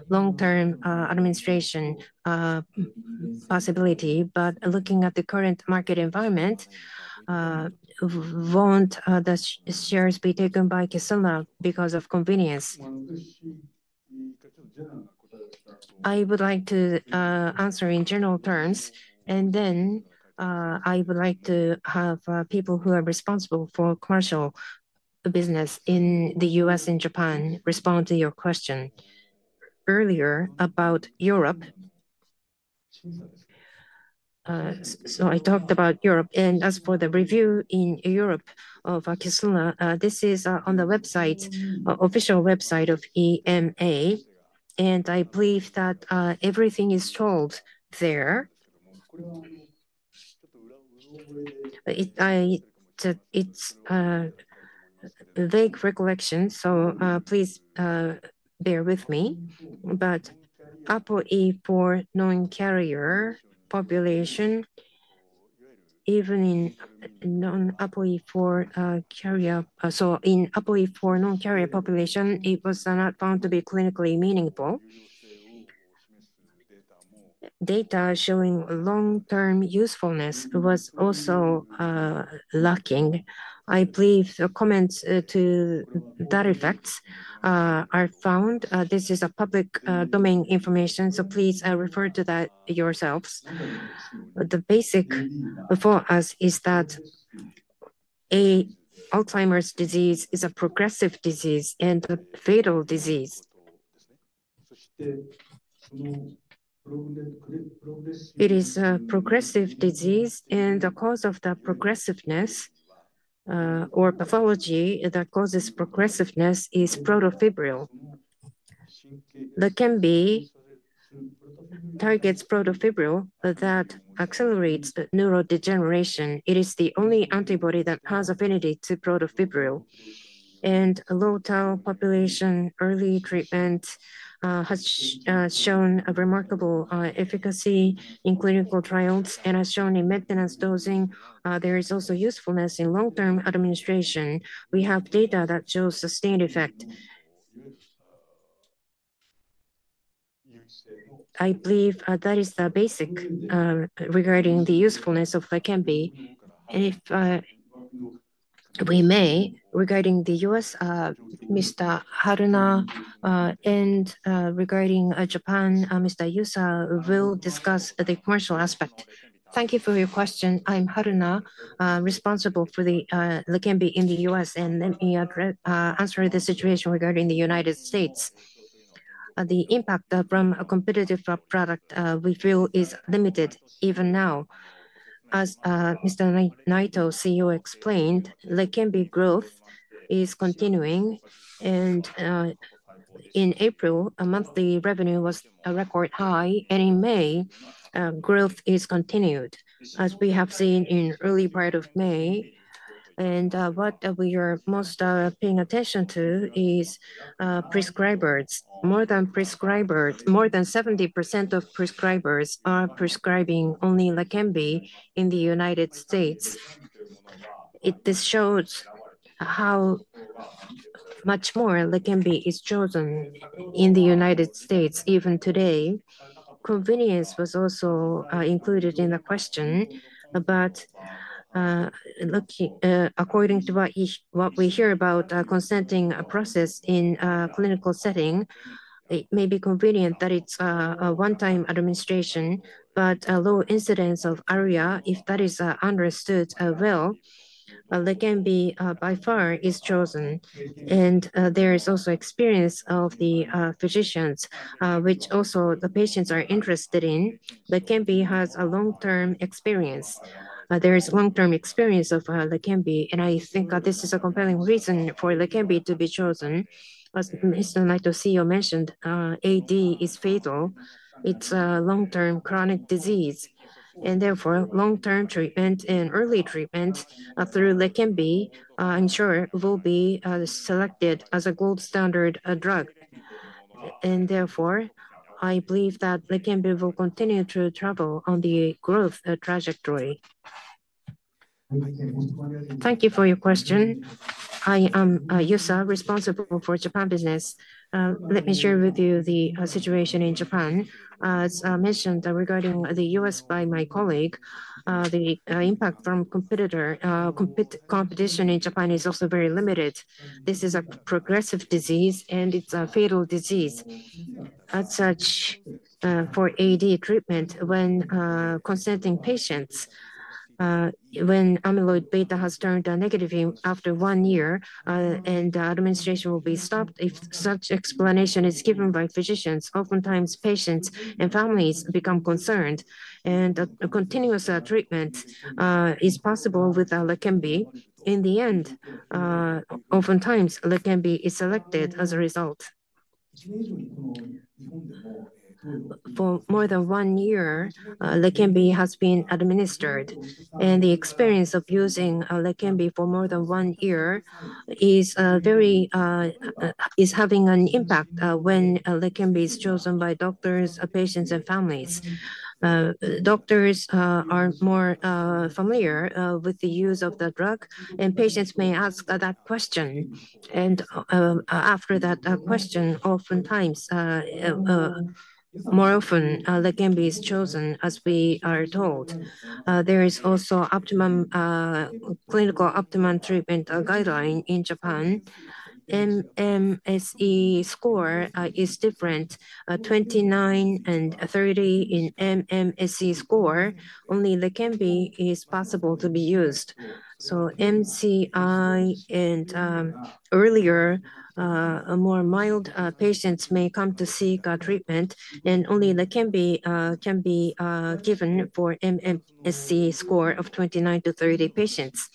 long-term administration possibility, but looking at the current market environment, will the shares be taken by Leqembi because of convenience? I would like to answer in general terms, and then I would like to have people who are responsible for commercial business in the U.S. and Japan respond to your question earlier about Europe. I talked about Europe, and as for the review in Europe of Leqembi, this is on the official website of EMA, and I believe that everything is told there. It's vague recollection, so please bear with me. But APOE for non-carrier population, even in APOE for non-carrier population, it was not found to be clinically meaningful. Data showing long-term usefulness was also lacking. I believe the comments to that effect are found. This is public domain information, so please refer to that yourselves. The basic for us is that Alzheimer's disease is a progressive disease and a fatal disease. It is a progressive disease, and the cause of the progressiveness or pathology that causes progressiveness is protofibril. Leqembi targets protofibril that accelerates neurodegeneration. It is the only antibody that has affinity to protofibril. And low-titer population, early treatment has shown a remarkable efficacy in clinical trials and has shown in maintenance dosing. There is also usefulness in long-term administration. We have data that shows sustained effect. I believe that is the basic regarding the usefulness of Leqembi. If we may, regarding the U.S., Mr. Haruna, and regarding Japan, Mr. Yusa will discuss the commercial aspect. Thank you for your question. I'm Haruna, responsible for Leqembi in the U.S., and let me answer the situation regarding the United States. The impact from a competitive product we feel is limited even now. As Mr. Naito, CEO, explained, Leqembi growth is continuing, and in April, monthly revenue was a record high, and in May, growth is continued, as we have seen in the early part of May. What we are most paying attention to is prescribers. More than 70% of prescribers are prescribing only Leqembi in the United States. This shows how much more Leqembi is chosen in the United States even today. Convenience was also included in the question, but according to what we hear about consenting process in a clinical setting, it may be convenient that it's a one-time administration, but a low incidence of ARIA, if that is understood well, Leqembi by far is chosen. There is also experience of the physicians, which also the patients are interested in. Leqembi has a long-term experience. There is long-term experience of Leqembi, and I think this is a compelling reason for Leqembi to be chosen. Mr. Naito, CEO, mentioned AD is fatal. It's a long-term chronic disease, and therefore, long-term treatment and early treatment through Leqembi, I'm sure, will be selected as a gold standard drug. Therefore, I believe that Leqembi will continue to travel on the growth trajectory. Thank you for your question. I am Yusa, responsible for Japan business. Let me share with you the situation in Japan. As mentioned regarding the U.S. by my colleague, the impact from competition in Japan is also very limited. This is a progressive disease, and it's a fatal disease. As such for AD treatment, when consenting patients, when amyloid beta has turned negative after one year and the administration will be stopped, if such explanation is given by physicians, oftentimes patients and families become concerned, and continuous treatment is possible with Leqembi. In the end, oftentimes Leqembi is selected as a result. For more than one year, Leqembi has been administered, and the experience of using Leqembi for more than one year is having an impact when Leqembi is chosen by doctors, patients, and families. Doctors are more familiar with the use of the drug, and patients may ask that question. After that question, oftentimes, more often, Leqembi is chosen, as we are told. There is also clinical optimum treatment guideline in Japan. MMSE score is different. For 29 and 30 in MMSE score, only Leqembi is possible to be used. MCI and earlier, more mild patients may come to seek treatment, and only Leqembi can be given for MMSE score of 29-30 patients.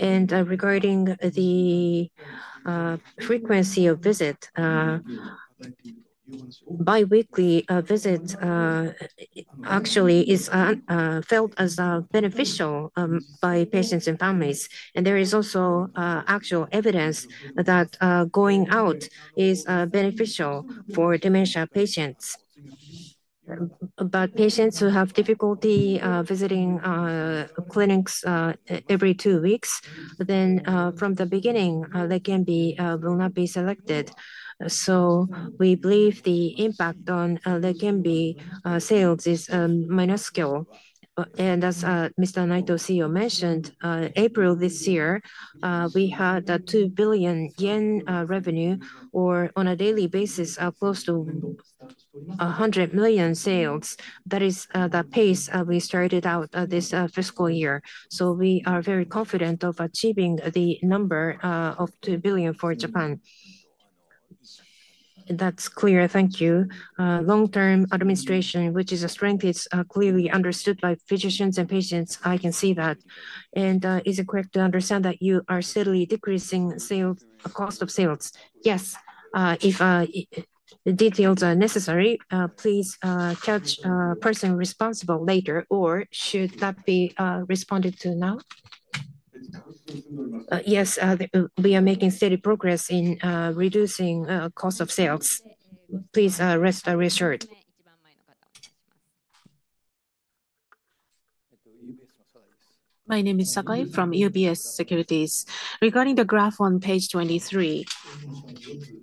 Regarding the frequency of visit, biweekly visits actually are felt as beneficial by patients and families. There is also actual evidence that going out is beneficial for dementia patients. Patients who have difficulty visiting clinics every two weeks, from the beginning, Leqembi will not be selected. We believe the impact on Leqembi sales is minuscule. As Mr. Naito, CEO, mentioned, April this year, we had a 2 billion yen revenue, or on a daily basis, close to 100 million sales. That is the pace we started out this fiscal year. We are very confident of achieving the number of 2 billion for Japan. That is clear. Thank you. Long-term administration, which is a strength, is clearly understood by physicians and patients. I can see that. Is it correct to understand that you are steadily decreasing cost of sales? Yes. If details are necessary, please catch a person responsible later, or should that be responded to now? Yes, we are making steady progress in reducing cost of sales. Please rest assured. My name is Sakai from UBS Securities. Regarding the graph on page 23,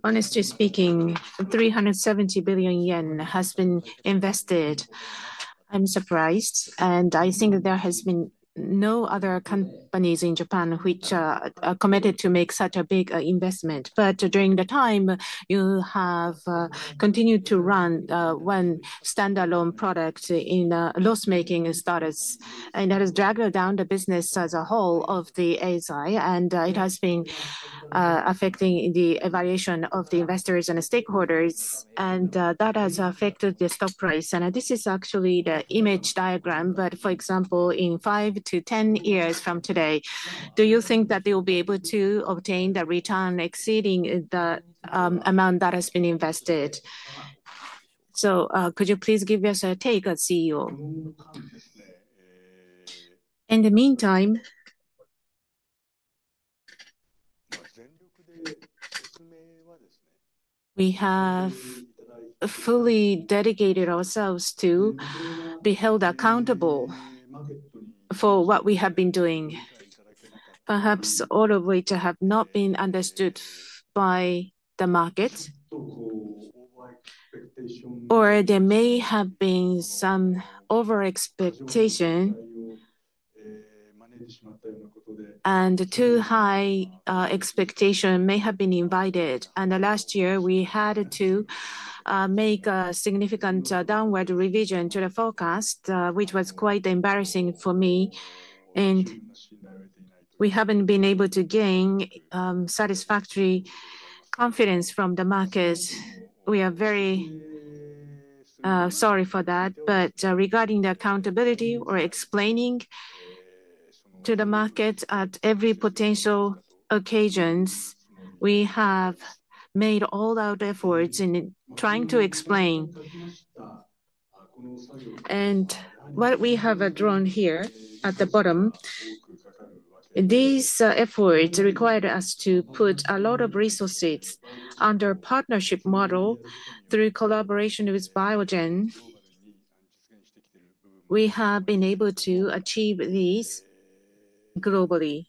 honestly speaking, 370 billion yen has been invested. I am surprised, and I think there have been no other companies in Japan which are committed to make such a big investment. During the time, you have continued to run one standalone product in loss-making status, and that has dragged down the business as a whole of the ASI, and it has been affecting the evaluation of the investors and stakeholders, and that has affected the stock price. This is actually the image diagram, but for example, in 5 to 10 years from today, do you think that they will be able to obtain the return exceeding the amount that has been invested? Could you please give us a take as CEO? In the meantime, we have fully dedicated ourselves to be held accountable for what we have been doing. Perhaps all of which have not been understood by the market, or there may have been some over-expectation, and too high expectations may have been invited. Last year, we had to make a significant downward revision to the forecast, which was quite embarrassing for me. We have not been able to gain satisfactory confidence from the market. We are very sorry for that. Regarding the accountability or explaining to the market at every potential occasion, we have made all our efforts in trying to explain. What we have drawn here at the bottom, these efforts required us to put a lot of resources under a partnership model through collaboration with Biogen. We have been able to achieve these globally.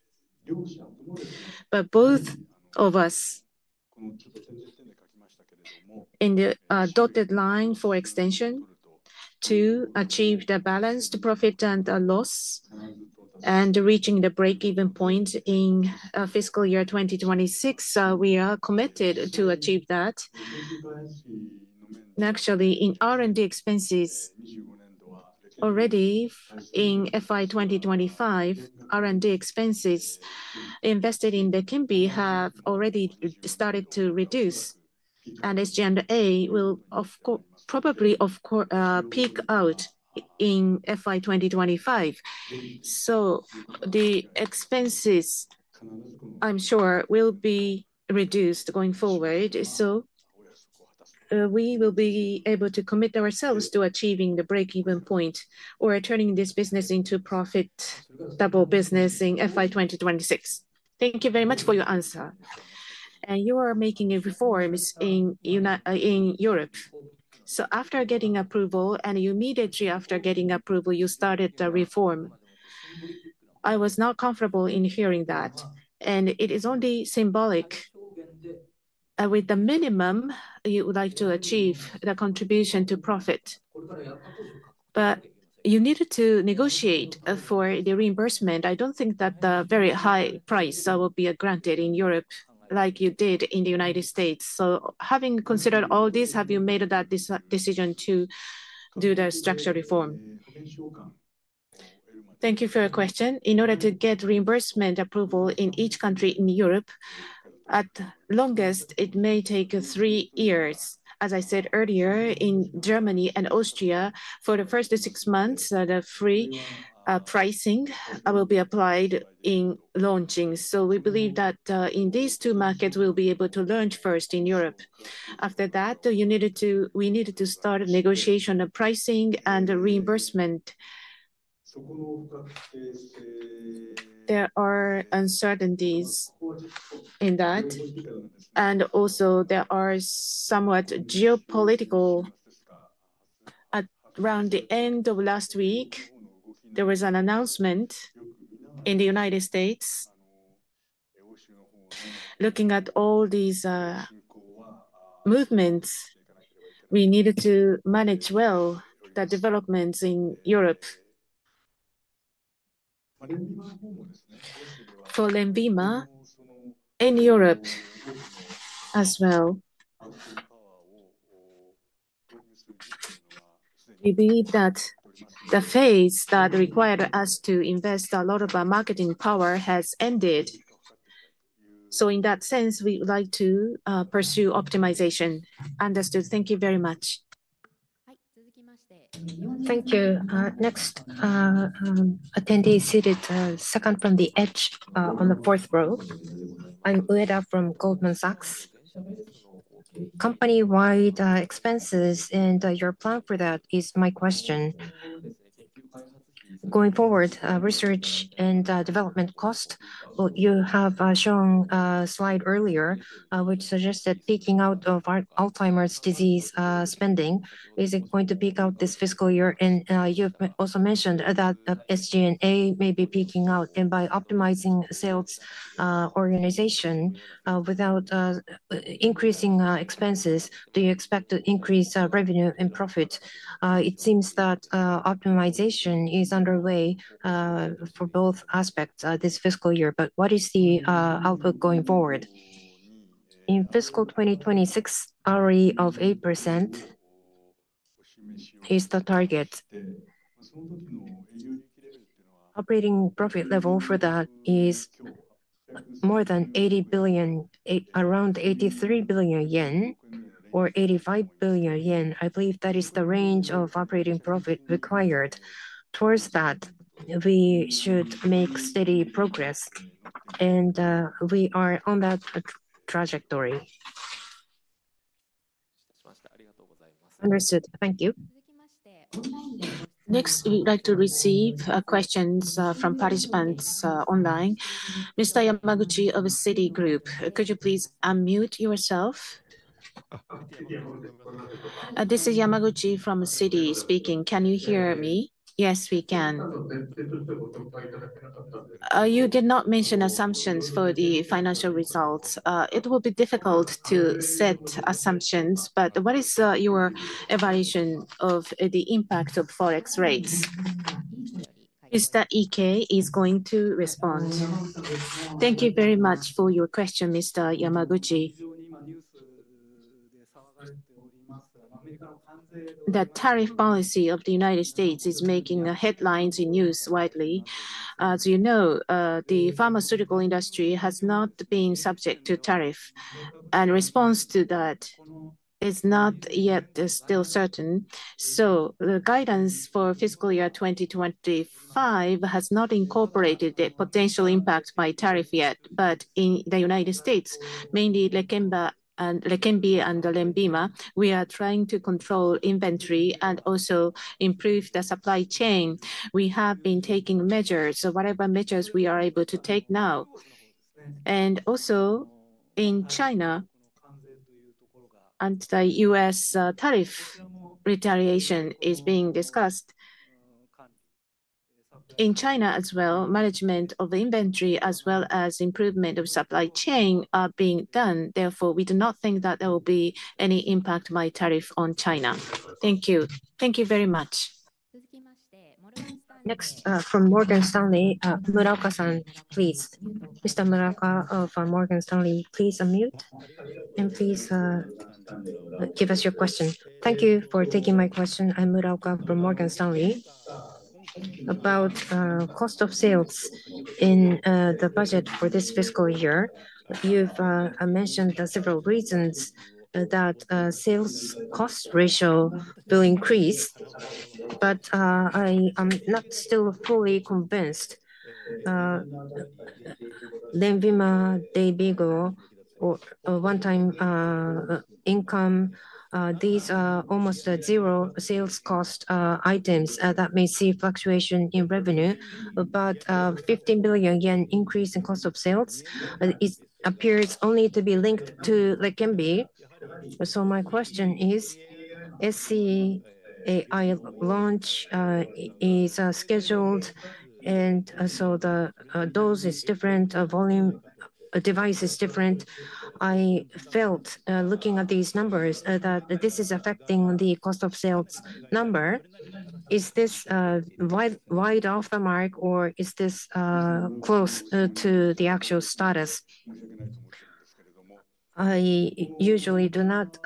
Both of us, and the dotted line for extension to achieve the balanced profit and the loss, and reaching the break-even point in fiscal year 2026, we are committed to achieve that. Actually, in R&D expenses, already in fiscal year 2025, R&D expenses invested in Leqembi have already started to reduce, and SG&A will probably peak out in fiscal year 2025. The expenses, I'm sure, will be reduced going forward. We will be able to commit ourselves to achieving the break-even point or turning this business into profitable business in fiscal year 2026. Thank you very much for your answer. You are making reforms in Europe. After getting approval, and immediately after getting approval, you started the reform. I was not comfortable in hearing that. It is only symbolic. With the minimum, you would like to achieve the contribution to profit. You needed to negotiate for the reimbursement. I do not think that the very high price will be granted in Europe like you did in the United States. Having considered all this, have you made that decision to do the structural reform? Thank you for your question. In order to get reimbursement approval in each country in Europe, at longest, it may take three years. As I said earlier, in Germany and Austria, for the first six months, the free pricing will be applied in launching. We believe that in these two markets, we will be able to launch first in Europe. After that, we needed to start negotiation of pricing and reimbursement. There are uncertainties in that. Also, there are somewhat geopolitical. Around the end of last week, there was an announcement in the United States. Looking at all these movements, we needed to manage well the developments in Europe. For Lenvima in Europe as well, we believe that the phase that required us to invest a lot of our marketing power has ended. In that sense, we would like to pursue optimization. Understood. Thank you very much. Thank you. Next attendee seated second from the edge on the fourth row. I'm Ueda from Goldman Sachs. Company-wide expenses and your plan for that is my question. Going forward, research and development cost, you have shown a slide earlier, which suggested peaking out of Alzheimer's disease spending. Is it going to peak out this fiscal year? You also mentioned that SG&A may be peaking out. By optimizing sales organization without increasing expenses, do you expect to increase revenue and profit? It seems that optimization is underway for both aspects this fiscal year. What is the outlook going forward? In fiscal 2026, ROE of 8% is the target. Operating profit level for that is more than 80 billion, around 83 billion yen, or 85 billion yen. I believe that is the range of operating profit required. Towards that, we should make steady progress. We are on that trajectory. Understood. Thank you. Next, we'd like to receive questions from participants online. Mr. Yamaguchi of Citigroup, could you please unmute yourself? This is Yamaguchi from Citigroup speaking. Can you hear me? Yes, we can. You did not mention assumptions for the financial results. It will be difficult to set assumptions, but what is your evaluation of the impact of forex rates? Mr. Iike is going to respond. Thank you very much for your question, Mr. Yamaguchi. The tariff policy of the United States is making headlines in news widely. As you know, the pharmaceutical industry has not been subject to tariff. Response to that is not yet still certain. The guidance for fiscal year 2025 has not incorporated the potential impact by tariff yet. In the United States, mainly Leqembi and Lenvima, we are trying to control inventory and also improve the supply chain. We have been taking measures, whatever measures we are able to take now. Also in China, and the U.S. tariff retaliation is being discussed. In China as well, management of the inventory as well as improvement of supply chain are being done. Therefore, we do not think that there will be any impact by tariff on China. Thank you. Thank you very much. Next from Morgan Stanley, Muraoka-san, please. Mr. Muraoka from Morgan Stanley, please unmute and please give us your question. Thank you for taking my question. I'm Muraoka from Morgan Stanley. About cost of sales in the budget for this fiscal year, you've mentioned several reasons that sales cost ratio will increase, but I am not still fully convinced. Lenvima, Dayvigo, one-time income, these are almost zero sales cost items that may see fluctuation in revenue, but 15 billion yen increase in cost of sales appears only to be linked to Leqembi. My question is, SCAI launch is scheduled, and so the dose is different, volume device is different. I felt, looking at these numbers, that this is affecting the cost of sales number. Is this wide off the mark, or is this close to the actual status? I usually do not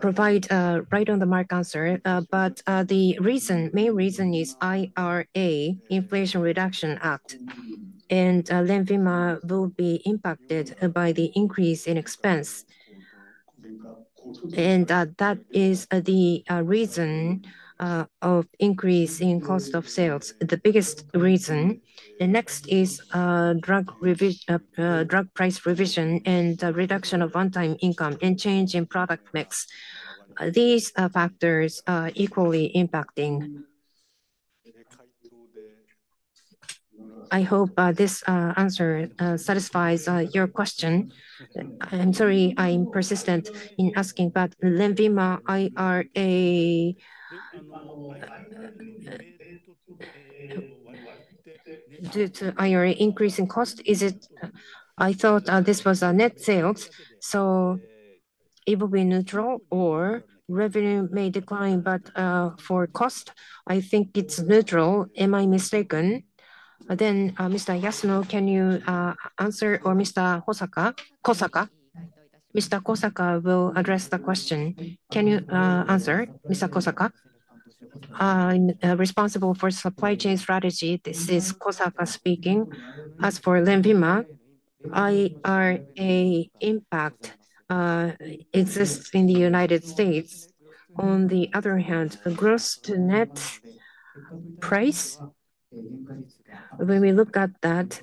provide a right-on-the-mark answer, but the main reason is IRA, Inflation Reduction Act, and Lenvima will be impacted by the increase in expense. That is the reason of increase in cost of sales, the biggest reason. The next is drug price revision and reduction of one-time income and change in product mix. These factors are equally impacting. I hope this answer satisfies your question. I'm sorry, I'm persistent in asking, but Leqembi IRA, due to IRA increase in cost, is it? I thought this was net sales, so it will be neutral, or revenue may decline, but for cost, I think it's neutral. Am I mistaken? Mr. Yasuno, can you answer, or Mr. Kosaka? Mr. Kosaka will address the question. Can you answer, Mr. Kosaka? I'm responsible for supply chain strategy. This is Kosaka speaking. As for Leqembi, IRA impact exists in the United States. On the other hand, gross to net price, when we look at that,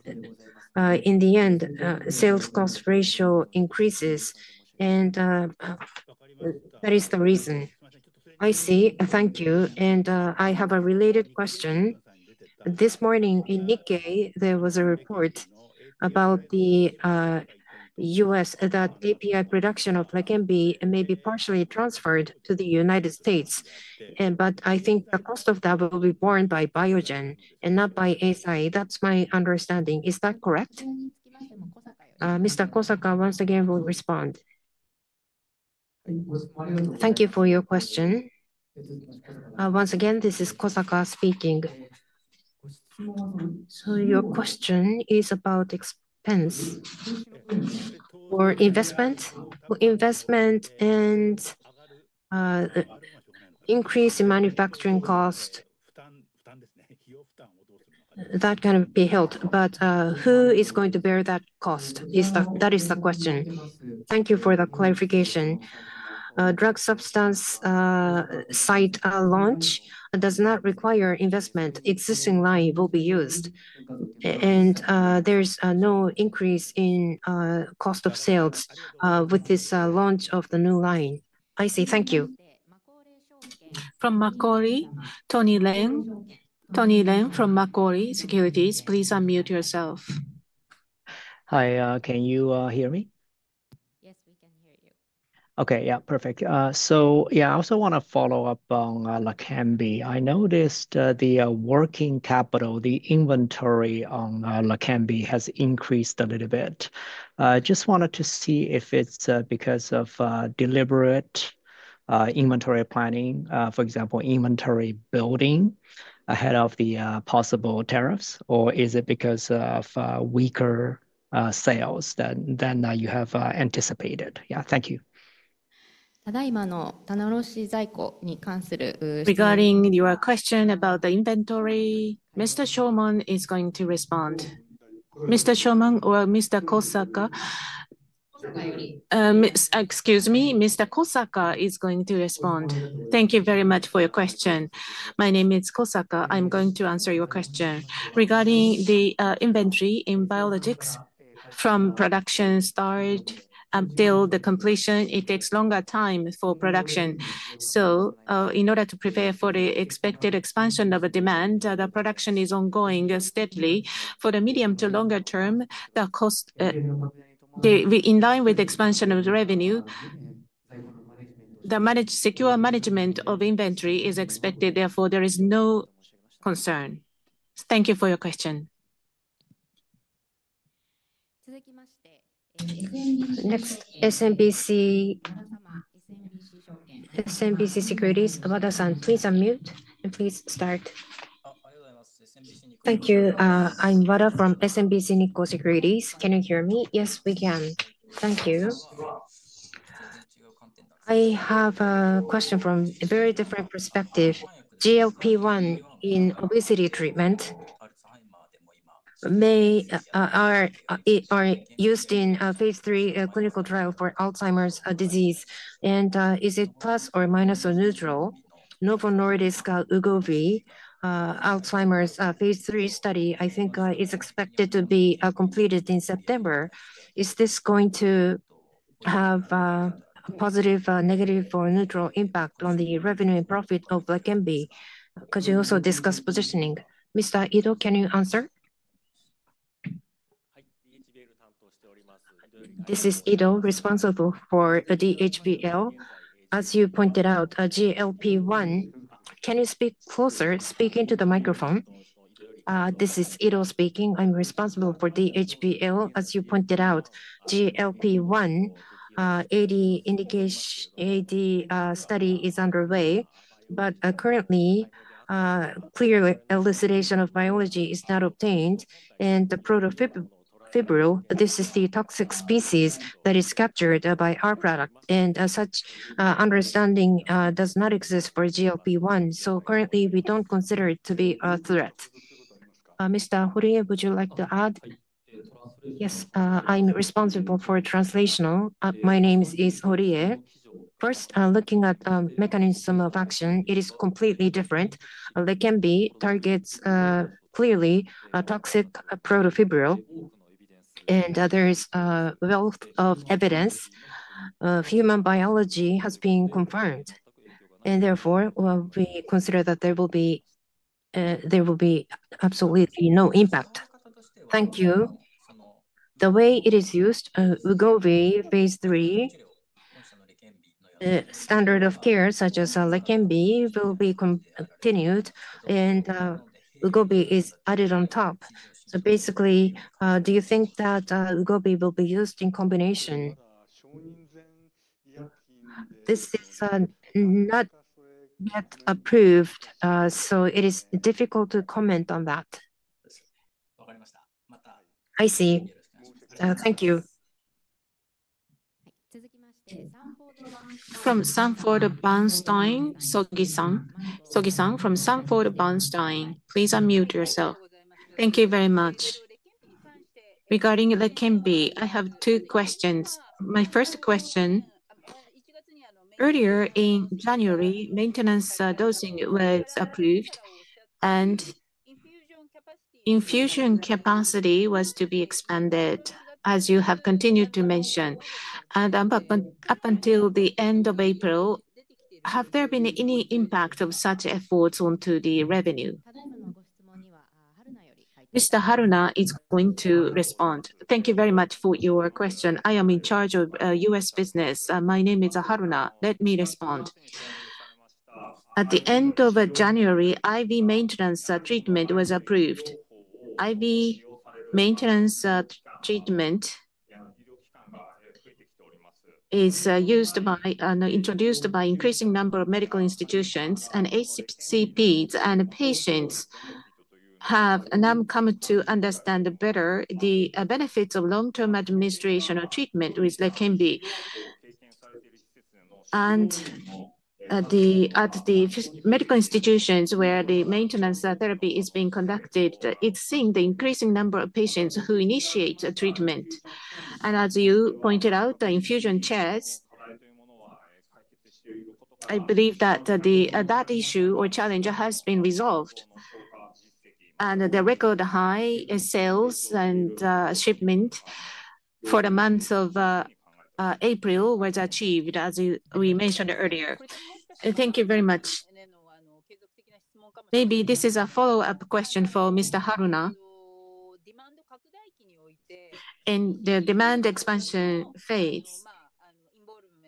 in the end, sales cost ratio increases, and that is the reason. I see. Thank you. I have a related question. This morning in Nikkei, there was a report about the U.S. that API production of Leqembi may be partially transferred to the United States, but I think the cost of that will be borne by Biogen and not by Eisai. That's my understanding. Is that correct? Mr. Kosaka, once again, will respond. Thank you for your question. Once again, this is Kosaka speaking. Your question is about expense or investment? Investment and increase in manufacturing cost, that can be held, but who is going to bear that cost? That is the question. Thank you for the clarification. Drug substance site launch does not require investment. Existing line will be used, and there's no increase in cost of sales with this launch of the new line. I see. Thank you. From Macquarie, Tony Ren. Tony Ren from Macquarie Securities, please unmute yourself. Hi, can you hear me? Yes, we can hear you. Okay, yeah, perfect. Yeah, I also want to follow up on Leqembi. I noticed the working capital, the inventory on Leqembi has increased a little bit. I just wanted to see if it's because of deliberate inventory planning, for example, inventory building ahead of the possible tariffs, or is it because of weaker sales than you have anticipated? Yeah, thank you. Regarding your question about the inventory, Mr. Shomon is going to respond. Mr. Shomon or Mr. Kosaka? Excuse me, Mr. Kosaka is going to respond. Thank you very much for your question. My name is Kosaka. I'm going to answer your question. Regarding the inventory in biologics, from production start until the completion, it takes longer time for production. In order to prepare for the expected expansion of demand, the production is ongoing steadily. For the medium to longer term, the cost, in line with the expansion of revenue, the secure management of inventory is expected. Therefore, there is no concern. Thank you for your question. Next, SMBC Securities, Wada-san, please unmute and please start. Thank you. I'm Wada from SMBC Nikko Securities. Can you hear me? Yes, we can. Thank you. I have a question from a very different perspective. GLP-1 in obesity treatment may be used in a phase 3 clinical trial for Alzheimer's disease. Is it plus or minus or neutral? Novo Nordisk Wegovy, Alzheimer's phase 3 study, I think is expected to be completed in September. Is this going to have a positive, negative, or neutral impact on the revenue and profit of Leqembi? Could you also discuss positioning? Mr. Ido, can you answer? This is Ido, responsible for DHBL. As you pointed out, GLP-1, Can you speak closer, speaking to the microphone? This is Ido speaking. I'm responsible for DHBL. As you pointed out, GLP-1, AD study is underway, but currently, clear elucidation of biology is not obtained. The protofibril, this is the toxic species that is captured by our product. Such understanding does not exist for GLP-1. Currently, we don't consider it to be a threat. Mr. Horie, would you like to add? Yes, I'm responsible for translational. My name is Horie. First, looking at the mechanism of action, it is completely different. Leqembi targets clearly a toxic protofibril, and there is a wealth of evidence. Human biology has been confirmed, and therefore, we consider that there will be absolutely no impact. Thank you. The way it is used, Wegovy, phase 3, standard of care such as Leqembi will be continued, and Wegovy is added on top. Basically, do you think that Wegovy will be used in combination? This is not yet approved, so it is difficult to comment on that. I see. Thank you. From Sanford Bernstein, Sogi-san. Sogi-san, from Sanford Bernstein, please unmute yourself. Thank you very much. Regarding Leqembi, I have two questions. My first question, earlier in January, maintenance dosing was approved, and infusion capacity was to be expanded, as you have continued to mention. Up until the end of April, have there been any impact of such efforts onto the revenue? Mr. Haruna is going to respond. Thank you very much for your question. I am in charge of U.S. business. My name is Haruna. Let me respond. At the end of January, IV maintenance treatment was approved. IV maintenance treatment is introduced by an increasing number of medical institutions, and HCPs and patients have now come to understand better the benefits of long-term administration of treatment with Leqembi. At the medical institutions where the maintenance therapy is being conducted, it has seen the increasing number of patients who initiate treatment. As you pointed out, the infusion chairs, I believe that that issue or challenge has been resolved. The record high sales and shipment for the month of April was achieved, as we mentioned earlier. Thank you very much. Maybe this is a follow-up question for Mr. Haruna. In the demand expansion phase,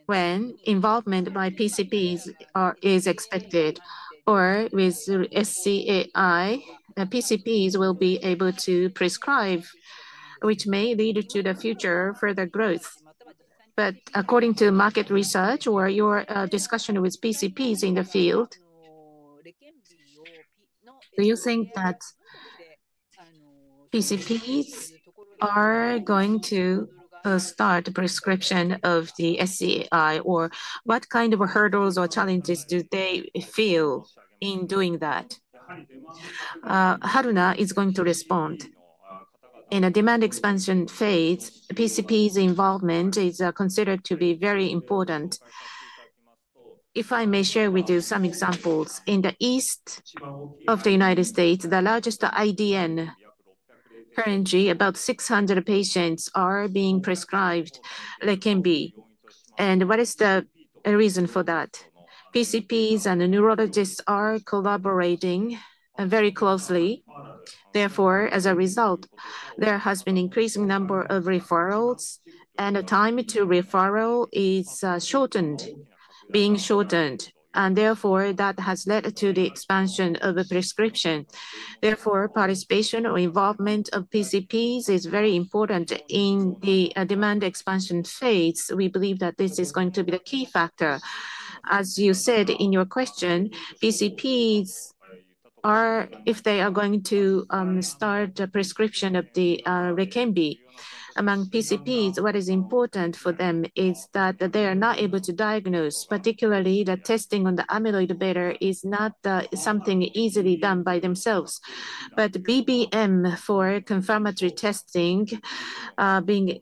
when involvement by PCPs is expected, or with SCAI, PCPs will be able to prescribe, which may lead to the future further growth. According to market research or your discussion with PCPs in the field, do you think that PCPs are going to start the prescription of the SCAI, or what kind of hurdles or challenges do they feel in doing that? Haruna is going to respond. In a demand expansion phase, PCPs' involvement is considered to be very important. If I may share with you some examples, in the east of the U.S., the largest IDN, currently about 600 patients are being prescribed Leqembi. What is the reason for that? PCPs and neurologists are collaborating very closely. Therefore, as a result, there has been an increasing number of referrals, and the time to referral is being shortened. Therefore, that has led to the expansion of the prescription. Participation or involvement of PCPs is very important in the demand expansion phase. We believe that this is going to be the key factor. As you said in your question, PCPs, if they are going to start the prescription of Leqembi, among PCPs, what is important for them is that they are not able to diagnose, particularly that testing on the amyloid beta is not something easily done by themselves. BBM for confirmatory testing being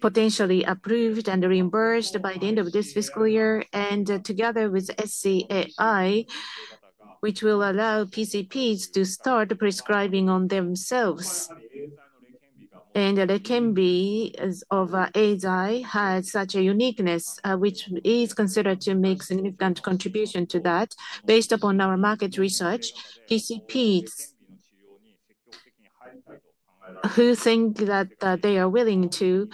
potentially approved and reimbursed by the end of this fiscal year, and together with SCAI, which will allow PCPs to start prescribing on themselves. Leqembi of Eisai has such a uniqueness, which is considered to make a significant contribution to that. Based upon our market research, PCPs who think that they are willing to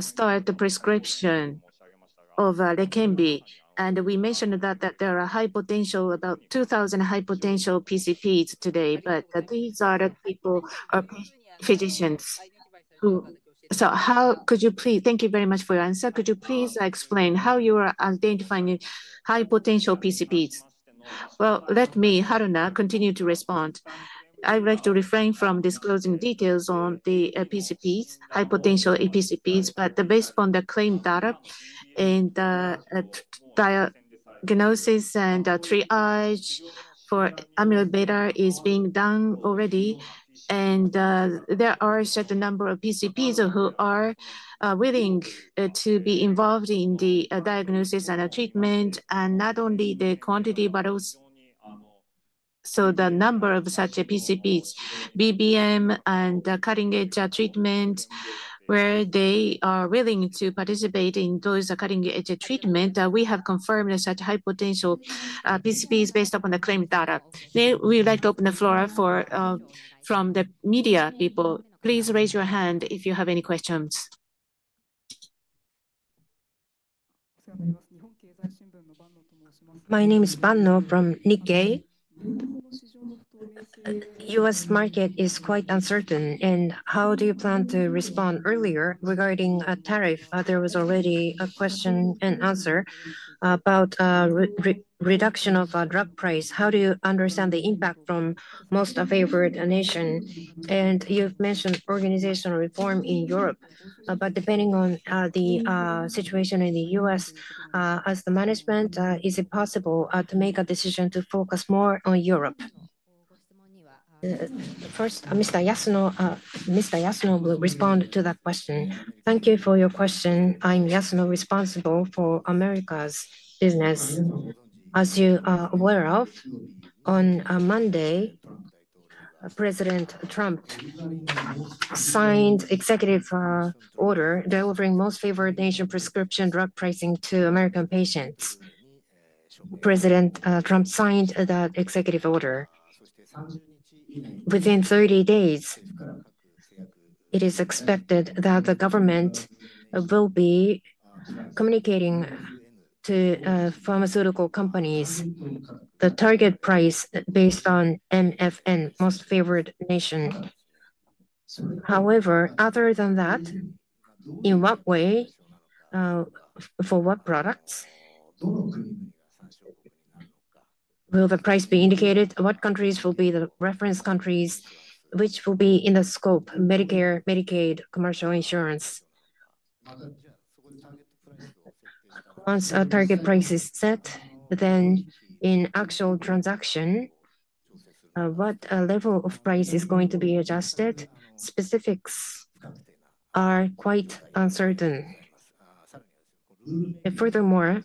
start the prescription of Leqembi. We mentioned that there are about 2,000 high-potential PCPs today, but these are the people, physicians who. So how could you please? Thank you very much for your answer. Could you please explain how you are identifying high-potential PCPs? Let me, Haruna, continue to respond. I would like to refrain from disclosing details on the high-potential PCPs, but based on the claim data and the diagnosis and triage for amyloid beta is being done already. There are a certain number of PCPs who are willing to be involved in the diagnosis and treatment, and not only the quantity, but also the number of such PCPs. BBM and cutting-edge treatment, where they are willing to participate in those cutting-edge treatments, we have confirmed such high-potential PCPs based upon the claim data. We would like to open the floor from the media people. Please raise your hand if you have any questions. My name is Banno from Nikkei. The U.S. market is quite uncertain, and how do you plan to respond earlier regarding a tariff? There was already a question and answer about the reduction of drug prices. How do you understand the impact from most favored nations? You have mentioned organizational reform in Europe, but depending on the situation in the U.S., as the management, is it possible to make a decision to focus more on Europe? First, Mr. Yasuno will respond to that question. Thank you for your question. I'm Yasuno, responsible for Americas business. As you are aware, on Monday, President Trump signed an executive order delivering most favored nation prescription drug pricing to American patients. President Trump signed that executive order. Within 30 days, it is expected that the government will be communicating to pharmaceutical companies the target price based on MFN, most favored nation. However, other than that, in what way, for what products will the price be indicated? What countries will be the reference countries which will be in the scope? Medicare, Medicaid, commercial insurance. Once a target price is set, then in actual transaction, what level of price is going to be adjusted? Specifics are quite uncertain. Furthermore,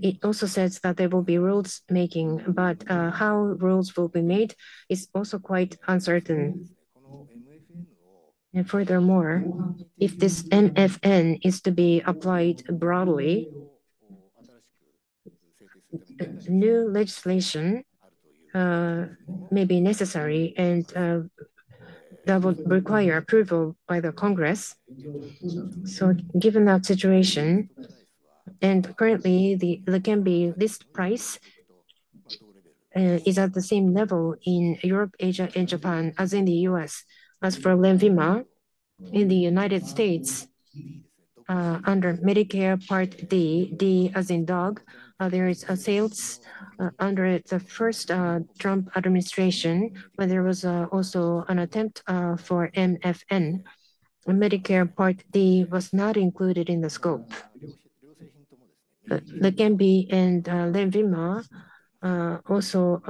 it also says that there will be rules-making, but how rules will be made is also quite uncertain. Furthermore, if this MFN is to be applied broadly, new legislation may be necessary, and that would require approval by the Congress. Given that situation, and currently, the Leqembi list price is at the same level in Europe, Asia, and Japan as in the U.S. As for Lenvima, in the U.S., under Medicare Part D, D as in dog, there is a sales under the first Trump administration, when there was also an attempt for MFN. Medicare Part D was not included in the scope. Leqembi and Lenvima also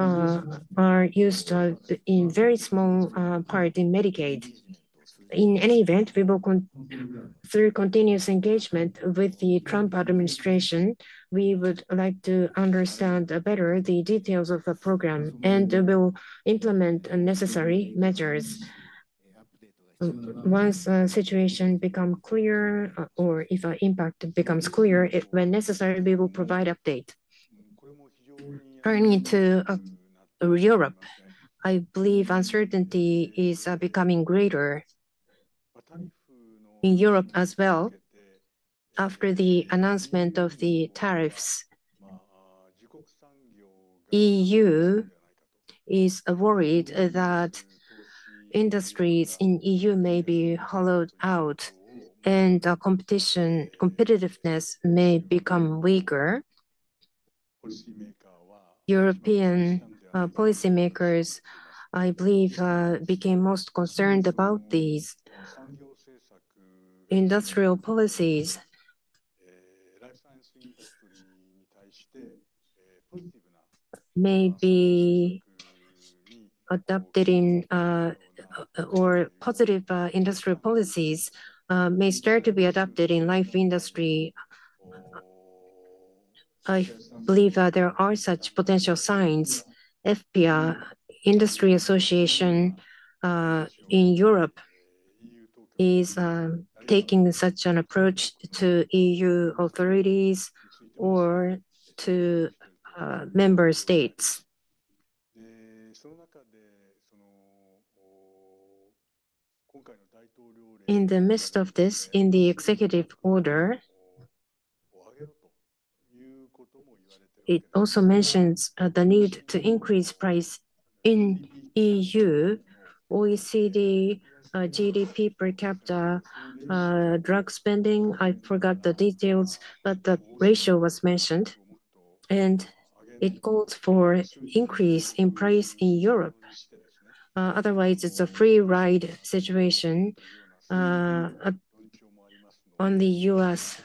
are used in a very small part in Medicaid. In any event, through continuous engagement with the Trump administration, we would like to understand better the details of the program, and we will implement necessary measures. Once the situation becomes clear, or if the impact becomes clear, when necessary, we will provide an update. Turning to Europe, I believe uncertainty is becoming greater in Europe as well. After the announcement of the tariffs, the EU is worried that industries in the EU may be hollowed out, and competitiveness may become weaker. European policymakers, I believe, became most concerned about these industrial policies. Maybe adopting or positive industrial policies may start to be adopted in life industry. I believe there are such potential signs. EFPIA, the industry association in Europe, is taking such an approach to EU authorities or to member states. In the midst of this, in the executive order, it also mentions the need to increase price in the EU, OECD GDP per capita drug spending. I forgot the details, but the ratio was mentioned, and it calls for an increase in price in Europe. Otherwise, it's a free ride situation. On the U.S.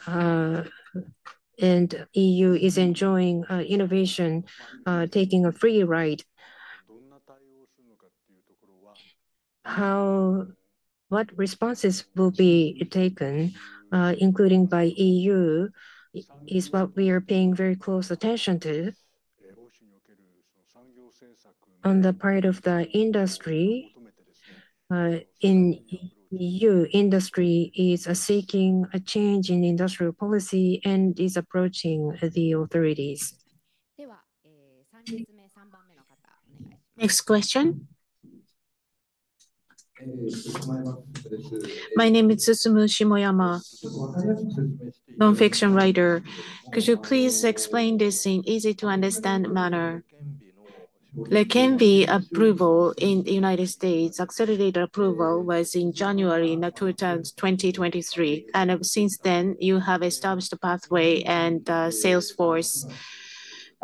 and EU, it is enjoying innovation, taking a free ride. What responses will be taken, including by the EU, is what we are paying very close attention to. On the part of the industry, the EU industry is seeking a change in industrial policy and is approaching the authorities. Next question. My name is Susumu Shimoyama, nonfiction writer. Could you please explain this in an easy-to-understand manner? Leqembi approval in the U.S., accelerated approval, was in January 2023. Since then, you have established a pathway and a sales force.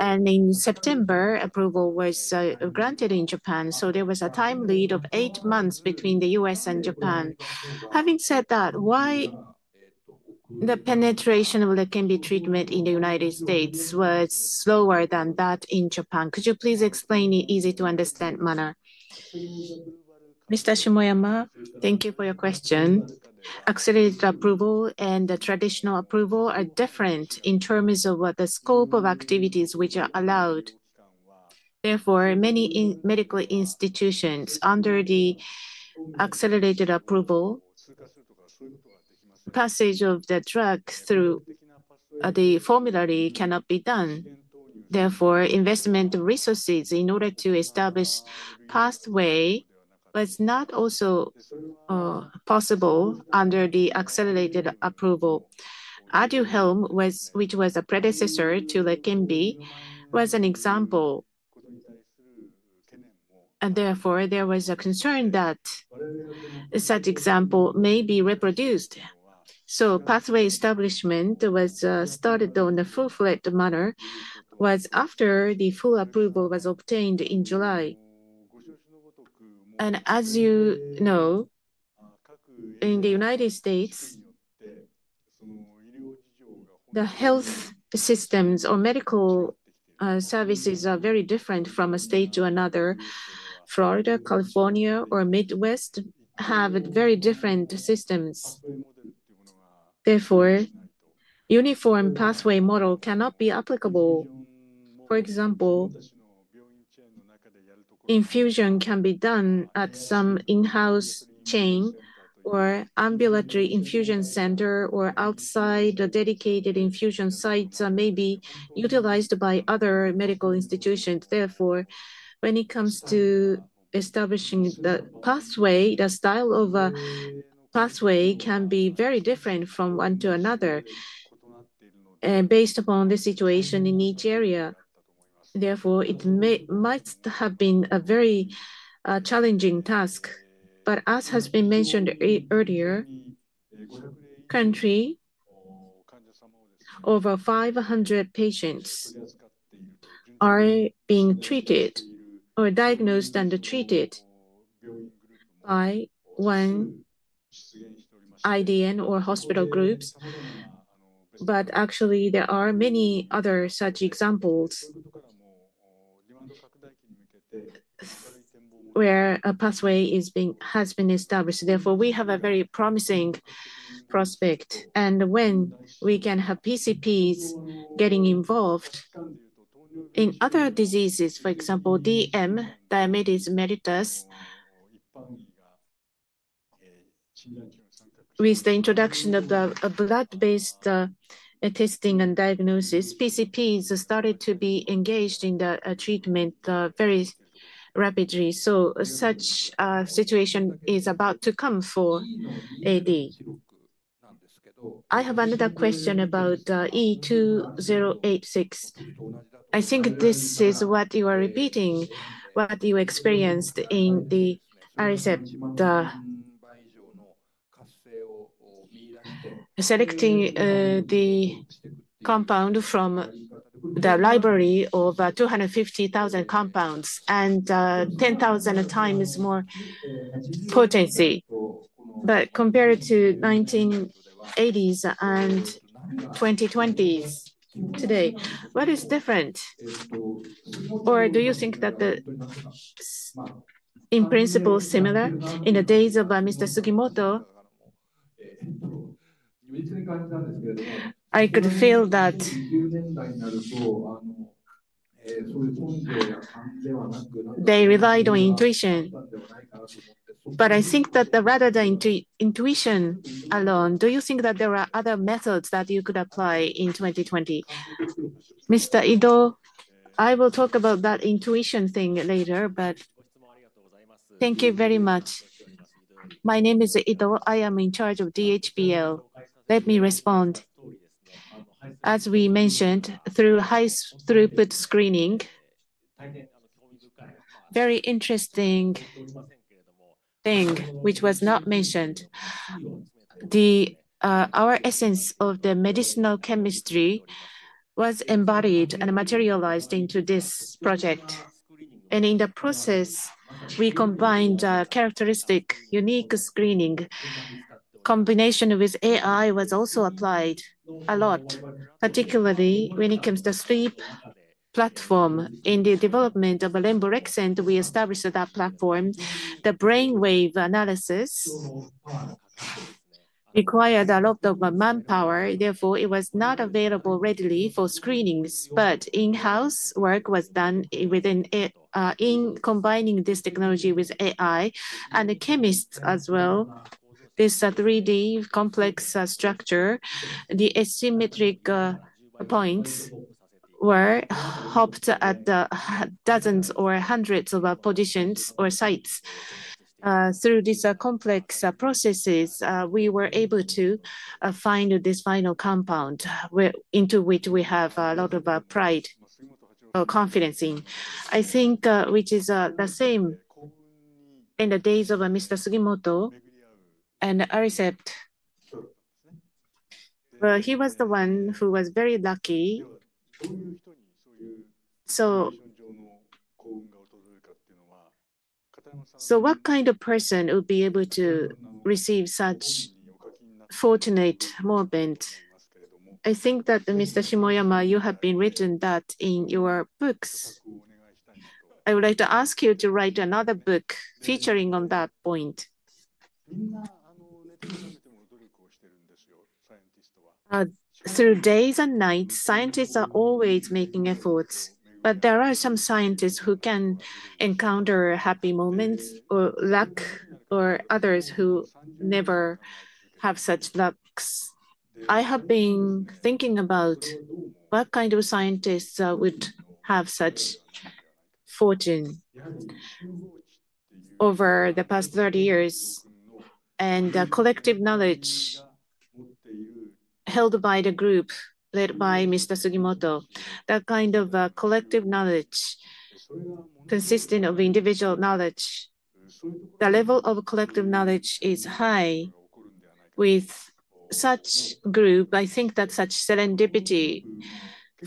In September, approval was granted in Japan. There was a time lead of eight months between the U.S. and Japan. Having said that, why was the penetration of Leqembi treatment in the U.S. slower than that in Japan? Could you please explain in an easy-to-understand manner? Mr. Shimoyama, thank you for your question. Accelerated approval and the traditional approval are different in terms of the scope of activities which are allowed. Therefore, many medical institutions under the accelerated approval, passage of the drug through the formulary cannot be done. Therefore, investment resources in order to establish a pathway were not also possible under the accelerated approval. Aduhelm, which was a predecessor to Leqembi, was an example. Therefore, there was a concern that such an example may be reproduced. Pathway establishment was started in a full-fledged manner after the full approval was obtained in July. As you know, in the U.S., the health systems or medical services are very different from state to another. Florida, California, or the Midwest have very different systems. Therefore, a uniform pathway model cannot be applicable. For example, infusion can be done at some in-house chain or ambulatory infusion center, or outside, dedicated infusion sites may be utilized by other medical institutions. When it comes to establishing the pathway, the style of a pathway can be very different from one to another based upon the situation in each area. It might have been a very challenging task. As has been mentioned earlier, currently, over 500 patients are being treated or diagnosed and treated by one IDN or hospital groups. Actually, there are many other such examples where a pathway has been established. Therefore, we have a very promising prospect. When we can have PCPs getting involved in other diseases, for example, DM, diabetes mellitus, with the introduction of the blood-based testing and diagnosis, PCPs started to be engaged in the treatment very rapidly. Such a situation is about to come for AD. I have another question about E2086. I think this is what you are repeating, what you experienced in the RSF, selecting the compound from the library of 250,000 compounds and 10,000 times more potency. Compared to the 1980s and 2020s today, what is different? Or do you think that, in principle, it is similar in the days of Mr. Sugimoto? I could feel that they relied on intuition. I think that rather than intuition alone, do you think that there are other methods that you could apply in 2020? Mr. Ido, I will talk about that intuition thing later, but thank you very much. My name is Ido, I am in charge of DHBL. Let me respond. As we mentioned, through high-throughput screening, very interesting thing which was not mentioned, our essence of the medicinal chemistry was embodied and materialized into this project. In the process, we combined characteristic unique screening. Combination with AI was also applied a lot, particularly when it comes to the sleep platform. In the development of lemborexant, we established that platform. The brainwave analysis required a lot of manpower. Therefore, it was not available readily for screenings, but in-house work was done within combining this technology with AI and the chemists as well. This 3D complex structure, the asymmetric points were hopped at dozens or hundreds of positions or sites. Through these complex processes, we were able to find this final compound into which we have a lot of pride, confidence in, I think, which is the same in the days of Mr. Sugimoto and RSF. He was the one who was very lucky. What kind of person would be able to receive such a fortunate moment? I think that, Mr. Shimoyama, you have been written that in your books. I would like to ask you to write another book featuring on that point. Through days and nights, scientists are always making efforts. But there are some scientists who can encounter happy moments or luck or others who never have such luck. I have been thinking about what kind of scientists would have such fortune over the past 30 years and the collective knowledge held by the group led by Mr. Sugimoto, that kind of collective knowledge consisting of individual knowledge. The level of collective knowledge is high with such a group. I think that such a serendipity,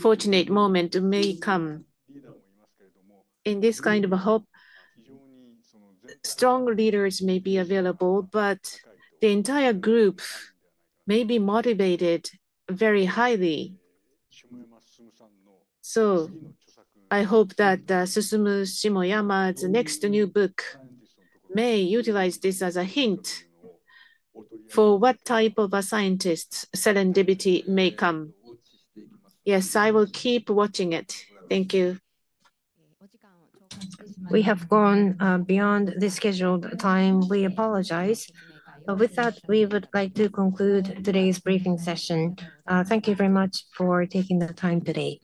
fortunate moment may come in this kind of a hope. Strong leaders may be available, but the entire group may be motivated very highly. I hope that Susumu Shimoyama's next new book may utilize this as a hint for what type of a scientist serendipity may come. Yes, I will keep watching it. Thank you. We have gone beyond the scheduled time. We apologize. With that, we would like to conclude today's briefing session. Thank you very much for taking the time today.